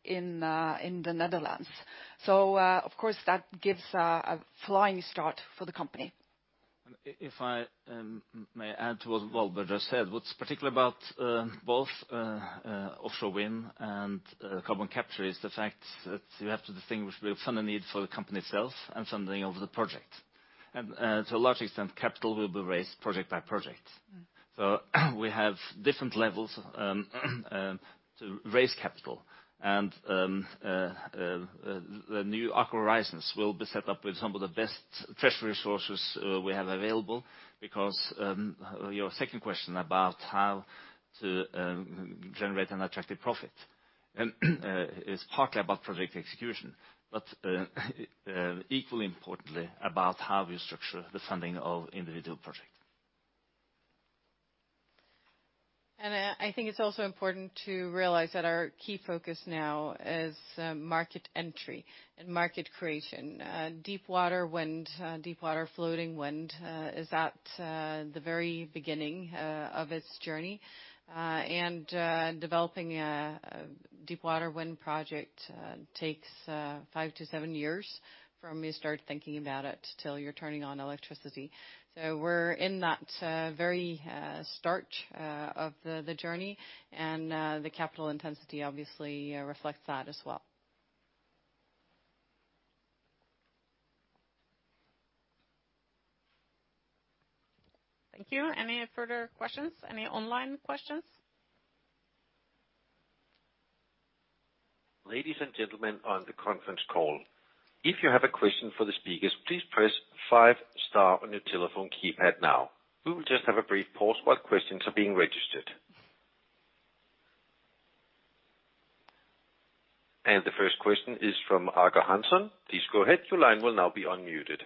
in the Netherlands. Of course, that gives a flying start for the company. If I may add to what Valborg just said, what's particular about both Offshore Wind and Carbon Capture is the fact that you have to distinguish the funding need for the company itself and funding of the project. To a large extent, capital will be raised project by project. We have different levels to raise capital. The new Aker Horizons will be set up with some of the best treasury resources we have available because your second question about how to generate an attractive profit is partly about project execution, but equally importantly about how we structure the funding of individual projects. I think it's also important to realize that our key focus now is market entry and market creation. Deepwater wind, deepwater floating wind is at the very beginning of its journey. Developing a deepwater wind project takes five to seven years from you start thinking about it till you're turning on electricity. We're in that very start of the journey. The capital intensity obviously reflects that as well. Thank you. Any further questions? Any online questions? Ladies and gentlemen on the conference call, if you have a question for the speakers, please press five star on your telephone keypad now. We will just have a brief pause while questions are being registered. The first question is from Haakon Amundsen. Please go ahead. Your line will now be unmuted.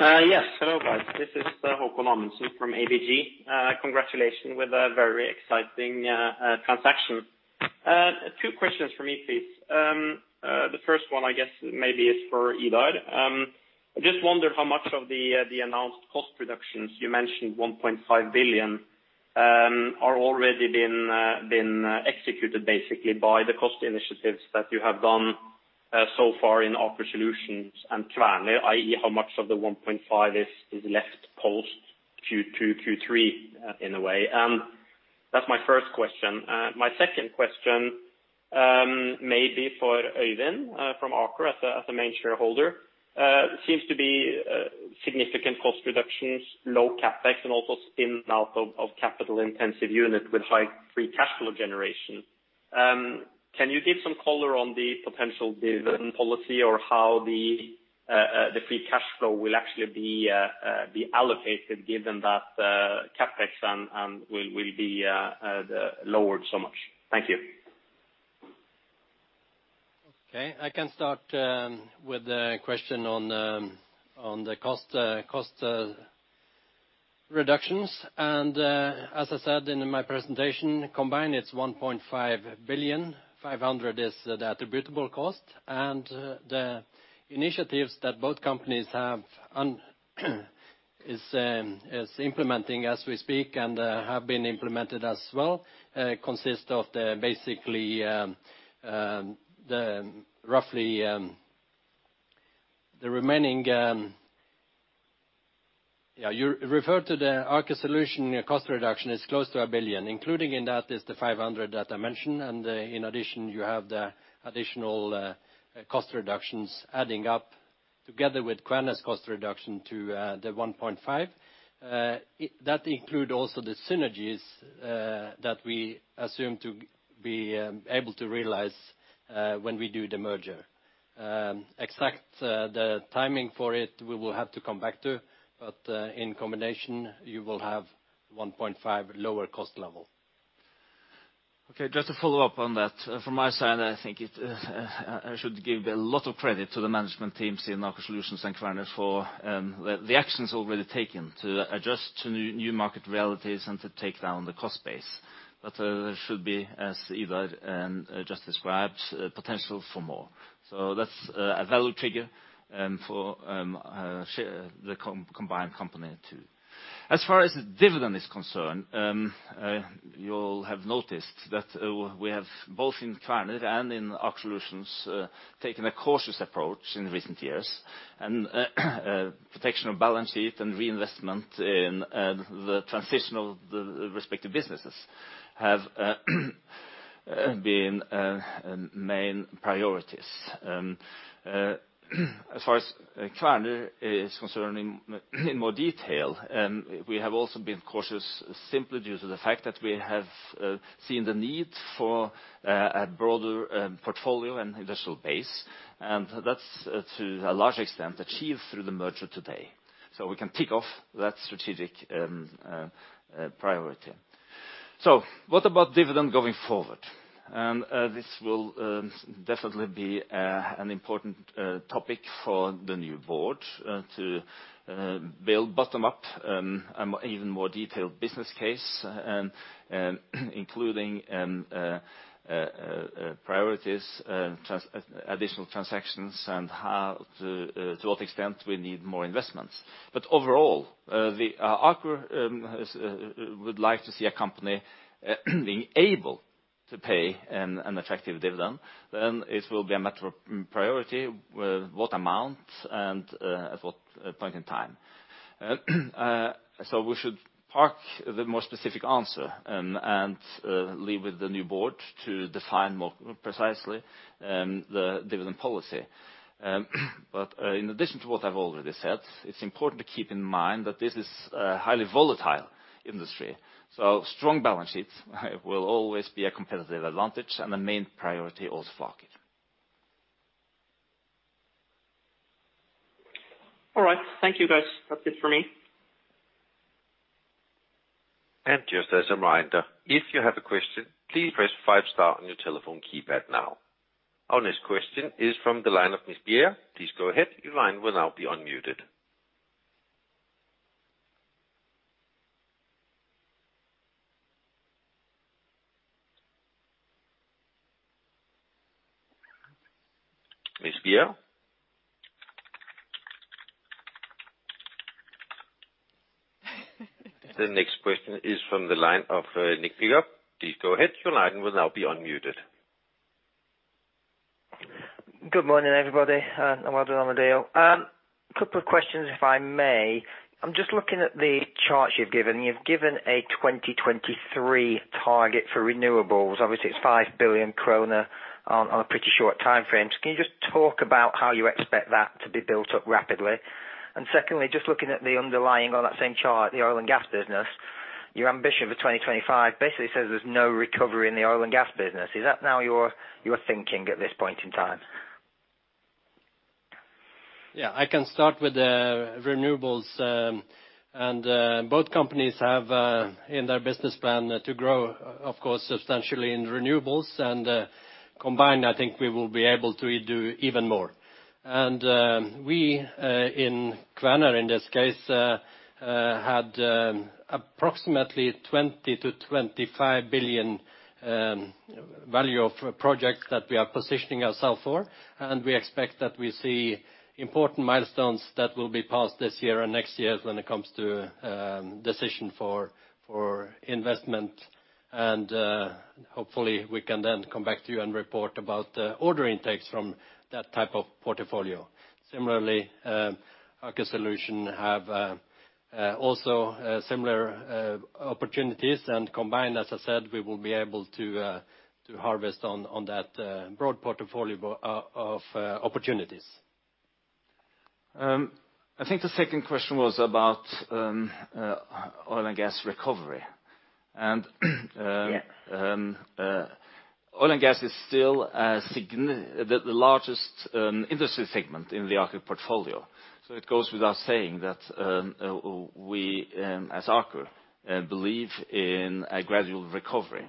Yes. Hello, guys. This is Haakon Amundsen from ABG. Congratulations with a very exciting transaction. Two questions from me, please. The first one, I guess maybe is for Idar. I just wondered how much of the announced cost reductions, you mentioned 1.5 billion, are already been executed basically by the cost initiatives that you have done so far in Aker Solutions and Kværner? I.e. how much of the 1.5 billion is left post Q2, Q3, in a way? That's my first question. My second question may be for Øyvind from Aker as a main shareholder. Seems to be significant cost reductions, low CapEx, and also spin out of capital-intensive unit with high free cash flow generation. Can you give some color on the potential dividend policy or how the free cash flow will actually be allocated given that CapEx will be lowered so much? Thank you. Okay. I can start with the question on the cost reductions. As I said in my presentation, combined it's 1.5 billion. 500 million is the attributable cost. The initiatives that both companies have is implementing as we speak and have been implemented as well, consist of the basically, the roughly, the remaining. Yeah, you refer to the Aker Solutions cost reduction is close to 1 billion. Including in that is the 500 million that I mentioned, and in addition, you have the additional cost reductions adding up together with Kværner's cost reduction to 1.5 billion. That include also the synergies that we assume to be able to realize when we do the merger. Exact, the timing for it, we will have to come back to, but in combination, you will have 1.5 billion lower cost level. Okay, just to follow up on that. From my side, I think it, I should give a lot of credit to the management teams in Aker Solutions and Kværner for the actions already taken to adjust to new market realities and to take down the cost base. There should be, as Idar just described, potential for more. That's a value trigger for the combined company too. As far as the dividend is concerned, you'll have noticed that we have both in Kværner and in Aker Solutions taken a cautious approach in recent years. Protection of balance sheet and reinvestment in the respective businesses have been main priorities. As far as Kværner is concerning in more detail, we have also been cautious simply due to the fact that we have seen the need for a broader portfolio and industrial base. That's to a large extent achieved through the merger today, so we can tick off that strategic priority. What about dividend going forward? This will definitely be an important topic for the new board to build bottom-up an even more detailed business case and including priorities, additional transactions and how to what extent we need more investments. Overall, the Aker would like to see a company being able to pay an effective dividend, then it will be a matter of priority with what amount and at what point in time. We should park the more specific answer and leave with the new board to define more precisely the dividend policy. In addition to what I've already said, it's important to keep in mind that this is a highly volatile industry, so strong balance sheets will always be a competitive advantage and a main priority also for Aker. All right. Thank you, guys. That's it for me. Just as a reminder, if you have a question, please press five star on your telephone keypad now. Our next question is from the line of Ms. Beer. Please go ahead. Your line will now be unmuted. Ms. Beer? The next question is from the line of. [inaudible] Please go ahead. Your line will now be unmuted. Good morning, everybody, well done on the deal. A couple of questions, if I may. I'm just looking at the chart you've given. You've given a 2023 target for renewables. Obviously, it's 5 billion kroner on a pretty short timeframe. Can you just talk about how you expect that to be built up rapidly? Secondly, just looking at the underlying on that same chart, the oil and gas business, your ambition for 2025 basically says there's no recovery in the oil and gas business. Is that now your thinking at this point in time? Yeah, I can start with the renewables. Both companies have in their business plan to grow, of course, substantially in renewables. Combined, I think we will be able to do even more. We in Kværner, in this case, had approximately 20 billion-25 billion value of projects that we are positioning ourselves for. We expect that we see important milestones that will be passed this year and next year when it comes to decision for investment. Hopefully we can then come back to you and report about order intakes from that type of portfolio. Similarly, Aker Solutions have also similar opportunities. Combined, as I said, we will be able to harvest on that broad portfolio of opportunities. I think the second question was about oil and gas recovery. Yeah. Oil and gas is still the largest industry segment in the Aker portfolio. It goes without saying that we as Aker believe in a gradual recovery.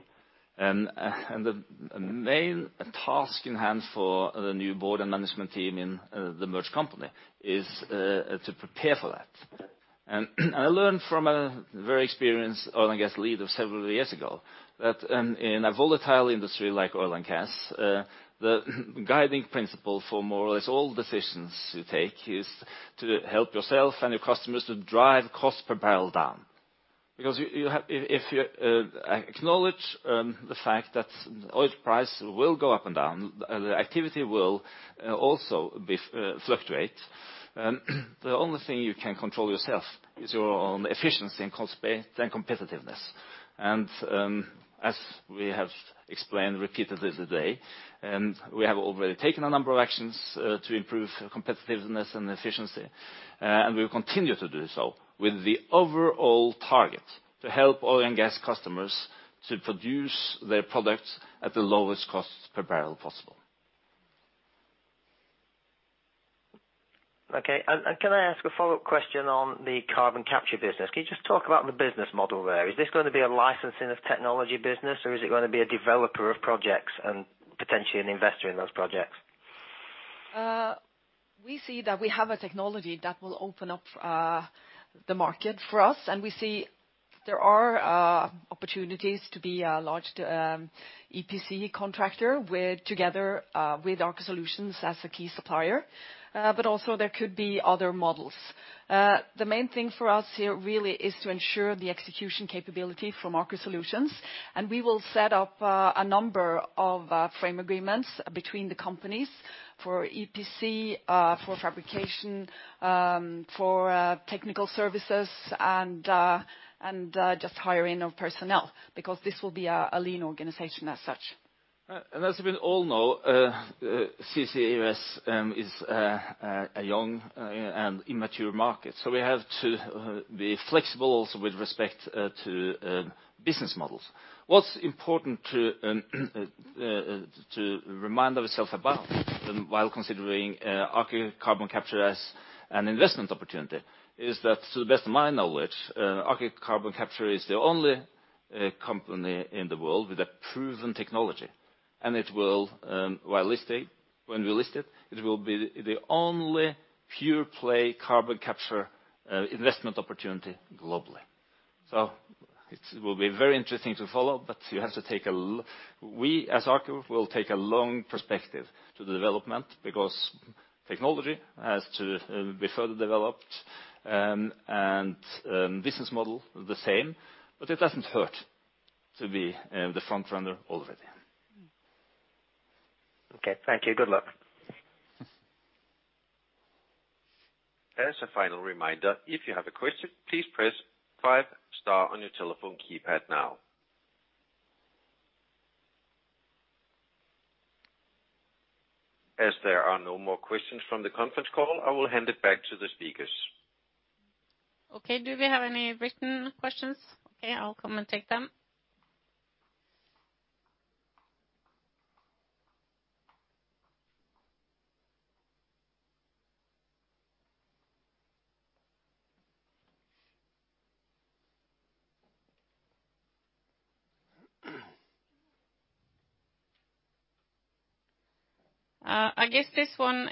The main task in hand for the new board and management team in the merged company is to prepare for that. I learned from a very experienced oil and gas leader several years ago that in a volatile industry like oil and gas, the guiding principle for more or less all decisions you take is to help yourself and your customers to drive cost per barrel down. If you acknowledge the fact that oil price will go up and down, the activity will also be fluctuate. The only thing you can control yourself is your own efficiency and cost base and competitiveness. As we have explained repeatedly today, and we have already taken a number of actions to improve competitiveness and efficiency, and we will continue to do so with the overall target to help oil and gas customers to produce their products at the lowest cost per barrel possible. Okay. Can I ask a follow-up question on the Carbon Capture business? Can you just talk about the business model there? Is this gonna be a licensing of technology business, or is it gonna be a developer of projects and potentially an investor in those projects? We see that we have a technology that will open up the market for us, and we see there are opportunities to be a large EPC contractor with, together, with Aker Solutions as a key supplier. Also there could be other models. The main thing for us here really is to ensure the execution capability from Aker Solutions, and we will set up a number of frame agreements between the companies for EPC, for fabrication, for technical services, and just hiring of personnel because this will be a lean organization as such. As we all know, CCUS is a young and immature market, so we have to be flexible also with respect to business models. What's important to remind ourselves about while considering Aker Carbon Capture as an investment opportunity is that, to the best of my knowledge, Aker Carbon Capture is the only company in the world with a proven technology. It will, when we list it will be the only pure play Carbon Capture investment opportunity globally. It will be very interesting to follow, but We as Aker will take a long perspective to the development because technology has to be further developed, and business model the same, but it doesn't hurt to be the front runner already. Okay. Thank you. Good luck. As a final reminder, if you have a question, please press five star on your telephone keypad now. As there are no more questions from the conference call, I will hand it back to the speakers. Okay. Do we have any written questions? Okay, I'll come and take them. I guess this one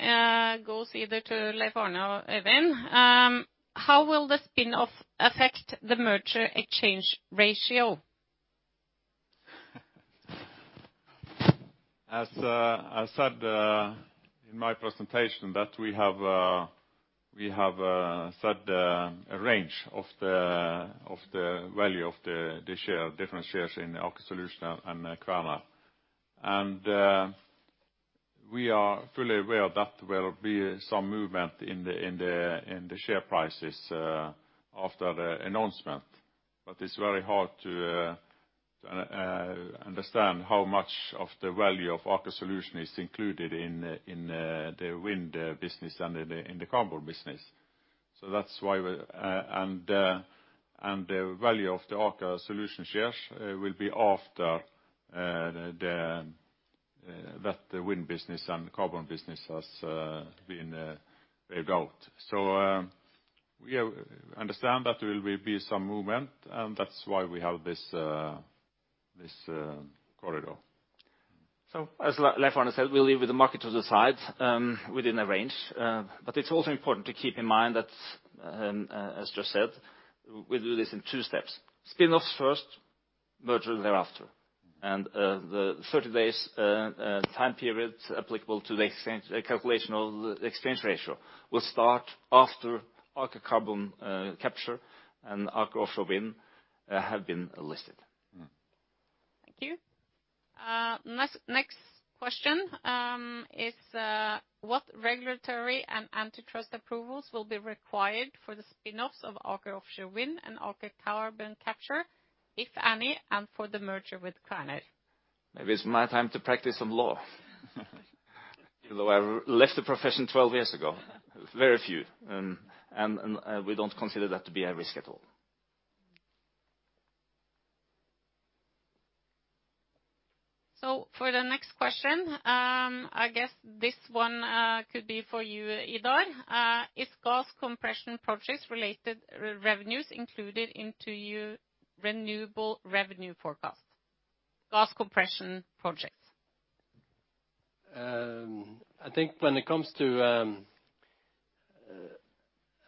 goes either to Leif-Arne or Øyvind. How will the spin-off affect the merger exchange ratio? As I said in my presentation, that we have set a range of the value of the share, different shares in Aker Solutions and Kværner. We are fully aware that there will be some movement in the share prices after the announcement. It's very hard to understand how much of the value of Aker Solutions is included in the wind business and in the carbon business. The value of the Aker Solutions shares will be after that the wind business and carbon business has been paved out. We are understand that there will be some movement, and that's why we have this corridor. As Leif-Arne said, we leave the market to the side, within a range. It's also important to keep in mind that, as just said, we do this in two steps. Spin-offs first, merger thereafter. The 30 days time period applicable to the exchange, the calculational exchange ratio will start after Aker Carbon Capture and Aker Offshore Wind have been listed. Thank you. Next question is what regulatory and antitrust approvals will be required for the spin-offs of Aker Offshore Wind and Aker Carbon Capture, if any, and for the merger with Kværner? Maybe it's my time to practice some law. Even though I left the profession 12 years ago. Very few. We don't consider that to be a risk at all. For the next question, I guess this one could be for you, Idar. Is gas compression projects related revenues included into your renewable revenue forecast? Gas compression projects. I think when it comes to.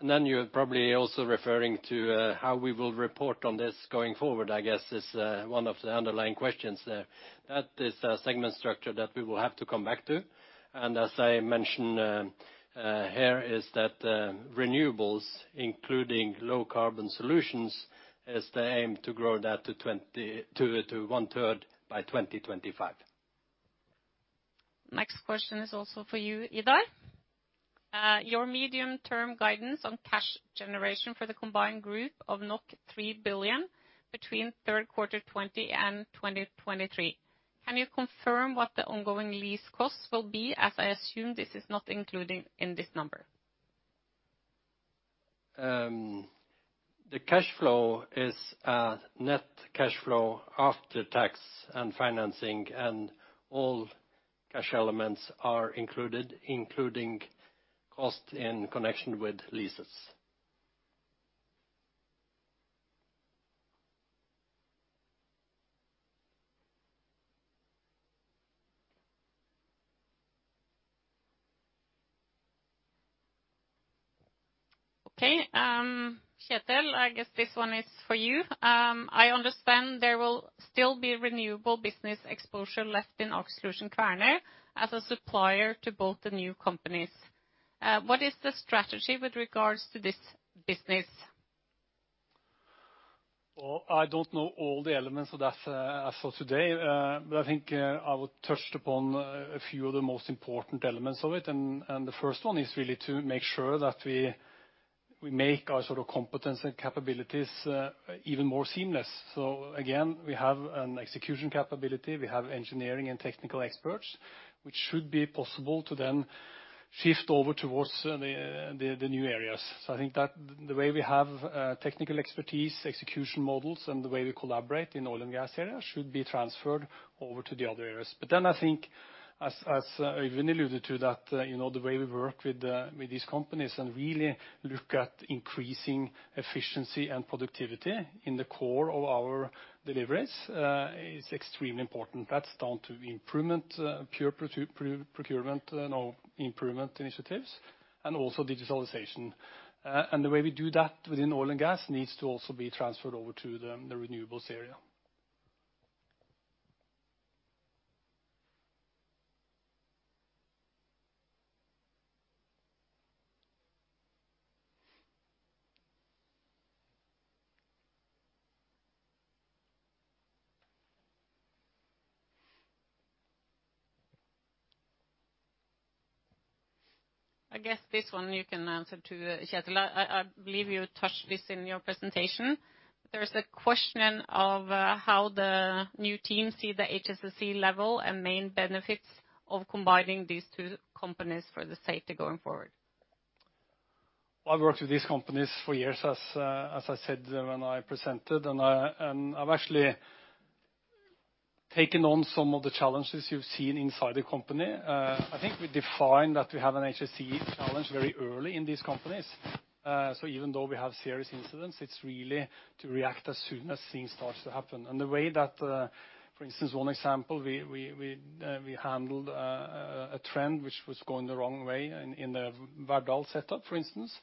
Then you're probably also referring to how we will report on this going forward, I guess, is one of the underlying questions there. That is a segment structure that we will have to come back to. As I mentioned here, is that renewables, including low carbon solutions, is the aim to grow that to one-third by 2025. Next question is also for you, Idar. Your medium-term guidance on cash generation for the combined group of 3 billion between third quarter 2020 and 2023. Can you confirm what the ongoing lease costs will be, as I assume this is not included in this number? The cash flow is a net cash flow after tax and financing, and all cash elements are included, including cost in connection with leases. Okay. Kjetel, I guess this one is for you. I understand there will still be renewable business exposure left in Aker Solutions Kværner as a supplier to both the new companies. What is the strategy with regards to this business? Well, I don't know all the elements of that as of today. I think I would touched upon a few of the most important elements of it. The first one is really to make sure that we make our sort of competence and capabilities even more seamless. Again, we have an execution capability, we have engineering and technical experts, which should be possible to then shift over towards the new areas. I think that the way we have technical expertise, execution models, and the way we collaborate in oil and gas area should be transferred over to the other areas. I think as Even alluded to that, you know, the way we work with these companies and really look at increasing efficiency and productivity in the core of our deliveries is extremely important. That's down to improvement, pure procurement, you know, improvement initiatives and also digitalization. The way we do that within oil and gas needs to also be transferred over to the renewables area. I guess this one you can answer too, Kjetel. I believe you touched this in your presentation. There is a question of how the new team see the HSSE level and main benefits of combining these two companies for the safety going forward. I've worked with these companies for years, as I said when I presented. I've actually taken on some of the challenges you've seen inside the company. I think we defined that we have an HSSE challenge very early in these companies. Even though we have serious incidents, it's really to react as soon as things starts to happen. The way that, for instance, one example, we handled a trend which was going the wrong way in the Verdal, for instance,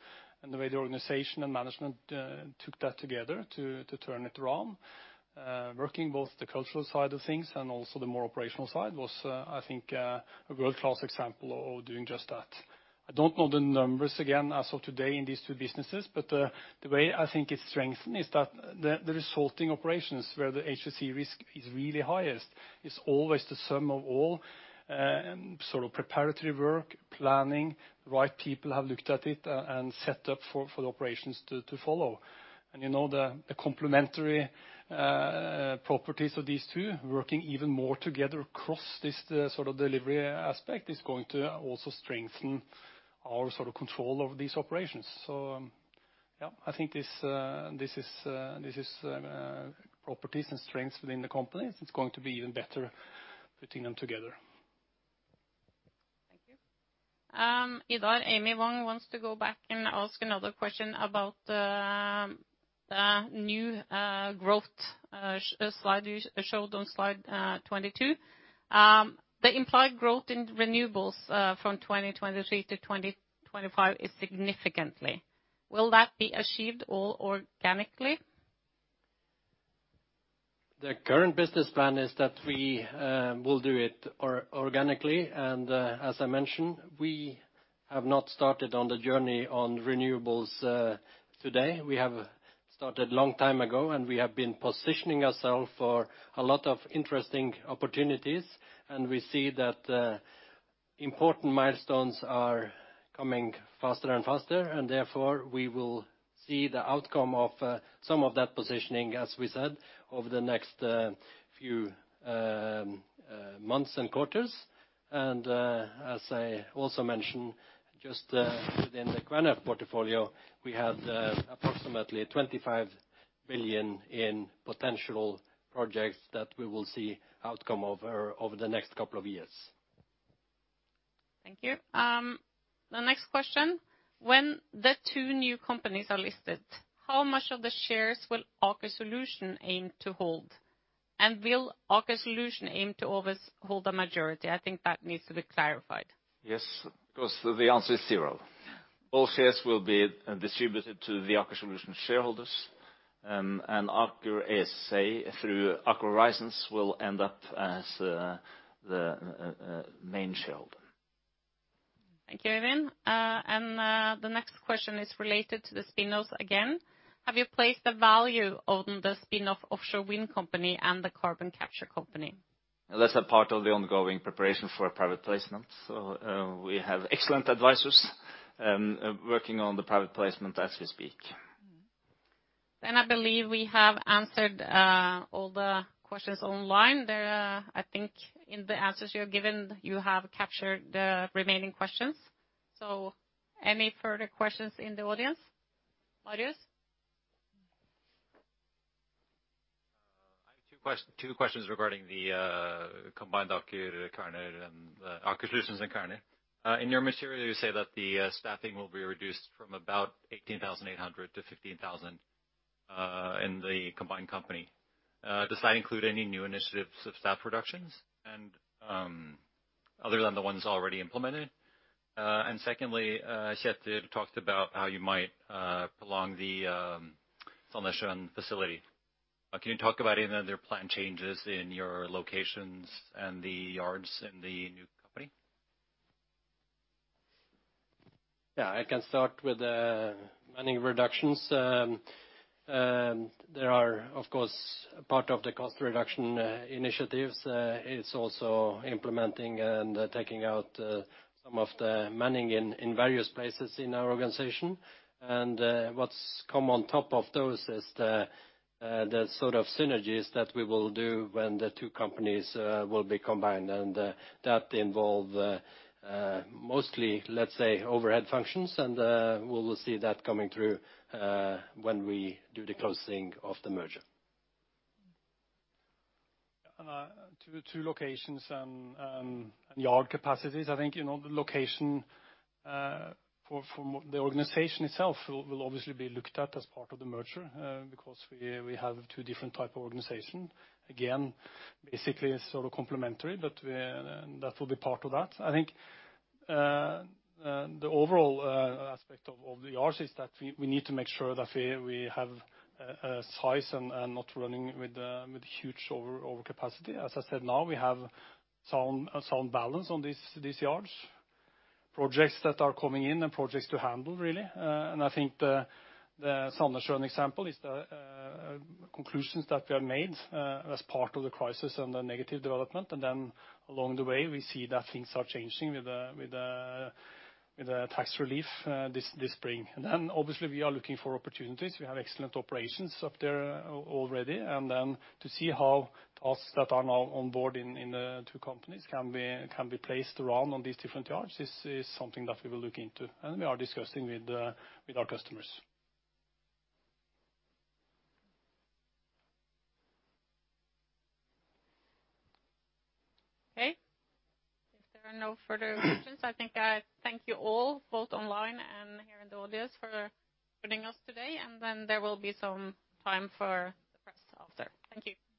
and the way the organization and management took that together to turn it around. Working both the cultural side of things and also the more operational side was, I think, a world-class example of doing just that. I don't know the numbers again as of today in these two businesses. The way I think it's strengthened is that the resulting operations where the HSSE risk is really highest, is always the sum of all sort of preparatory work, planning, the right people have looked at it, and set up for the operations to follow. You know, the complementary properties of these two working even more together across this sort of delivery aspect is going to also strengthen our sort of control over these operations. Yeah, I think this is properties and strengths within the companies. It's going to be even better putting them together. Thank you. Idar, Amy Wong wants to go back and ask another question about new growth slide you showed on slide 22. The implied growth in renewables from 2023 to 2025 is significantly. Will that be achieved all organically? The current business plan is that we will do it organically. As I mentioned, we have not started on the journey on renewables today. We have started long time ago, and we have been positioning ourself for a lot of interesting opportunities, and we see that important milestones are coming faster and faster. Therefore, we will see the outcome of some of that positioning, as we said, over the next few months and quarters. As I also mentioned, just within the Kværner portfolio, we have approximately 25 billion in potential projects that we will see outcome over the next couple of years. Thank you. The next question. When the two new companies are listed, how much of the shares will Aker Solutions aim to hold? Will Aker Solutions aim to always hold a majority? I think that needs to be clarified. Yes, of course. The answer is zero. All shares will be distributed to the Aker Solutions shareholders. Aker ASA through Aker Horizons will end up as the main shareholder. Thank you, Øyvind. The next question is related to the spin-offs again. Have you placed a value on the spin-off Offshore Wind company and the Carbon Capture company? That's a part of the ongoing preparation for a private placement. We have excellent advisors, working on the private placement as we speak I believe we have answered all the questions online. There are, I think in the answers you have given, you have captured the remaining questions. Any further questions in the audience? Marius? I have two questions regarding the combined Aker Solutions and Kværner. In your material you say that the staffing will be reduced from about 18,800 to 15,000 in the combined company. Does that include any new initiatives of staff reductions and other than the ones already implemented? Secondly, Kjetel talked about how you might prolong the Sandnessjøen facility. Can you talk about any other planned changes in your locations and the yards in the new company? Yeah. I can start with manning reductions. There are of course part of the cost reduction initiatives. It's also implementing and taking out some of the manning in various places in our organization. What's come on top of those is the sort of synergies that we will do when the two companies will be combined and that involve mostly, let's say, overhead functions and we will see that coming through when we do the closing of the merger. To the two locations and yard capacities, I think, you know, the location for, from the organization itself will obviously be looked at as part of the merger because we have two different type of organization. Again, basically sort of complementary, but that will be part of that. I think the overall aspect of the yards is that we need to make sure that we have size and not running with huge overcapacity. As I said, now we have a sound balance on these yards. Projects that are coming in and projects to handle really. I think the Sandnessjøen example is the conclusions that we have made as part of the crisis and the negative development. Along the way, we see that things are changing with the tax relief this spring. Obviously, we are looking for opportunities. We have excellent operations up there already, and then to see how us that are now on board in the two companies can be placed around on these different yards is something that we will look into, and we are discussing with our customers. Okay. If there are no further questions, I think I thank you all, both online and here in the audience for joining us today. There will be some time for the press after. Thank you.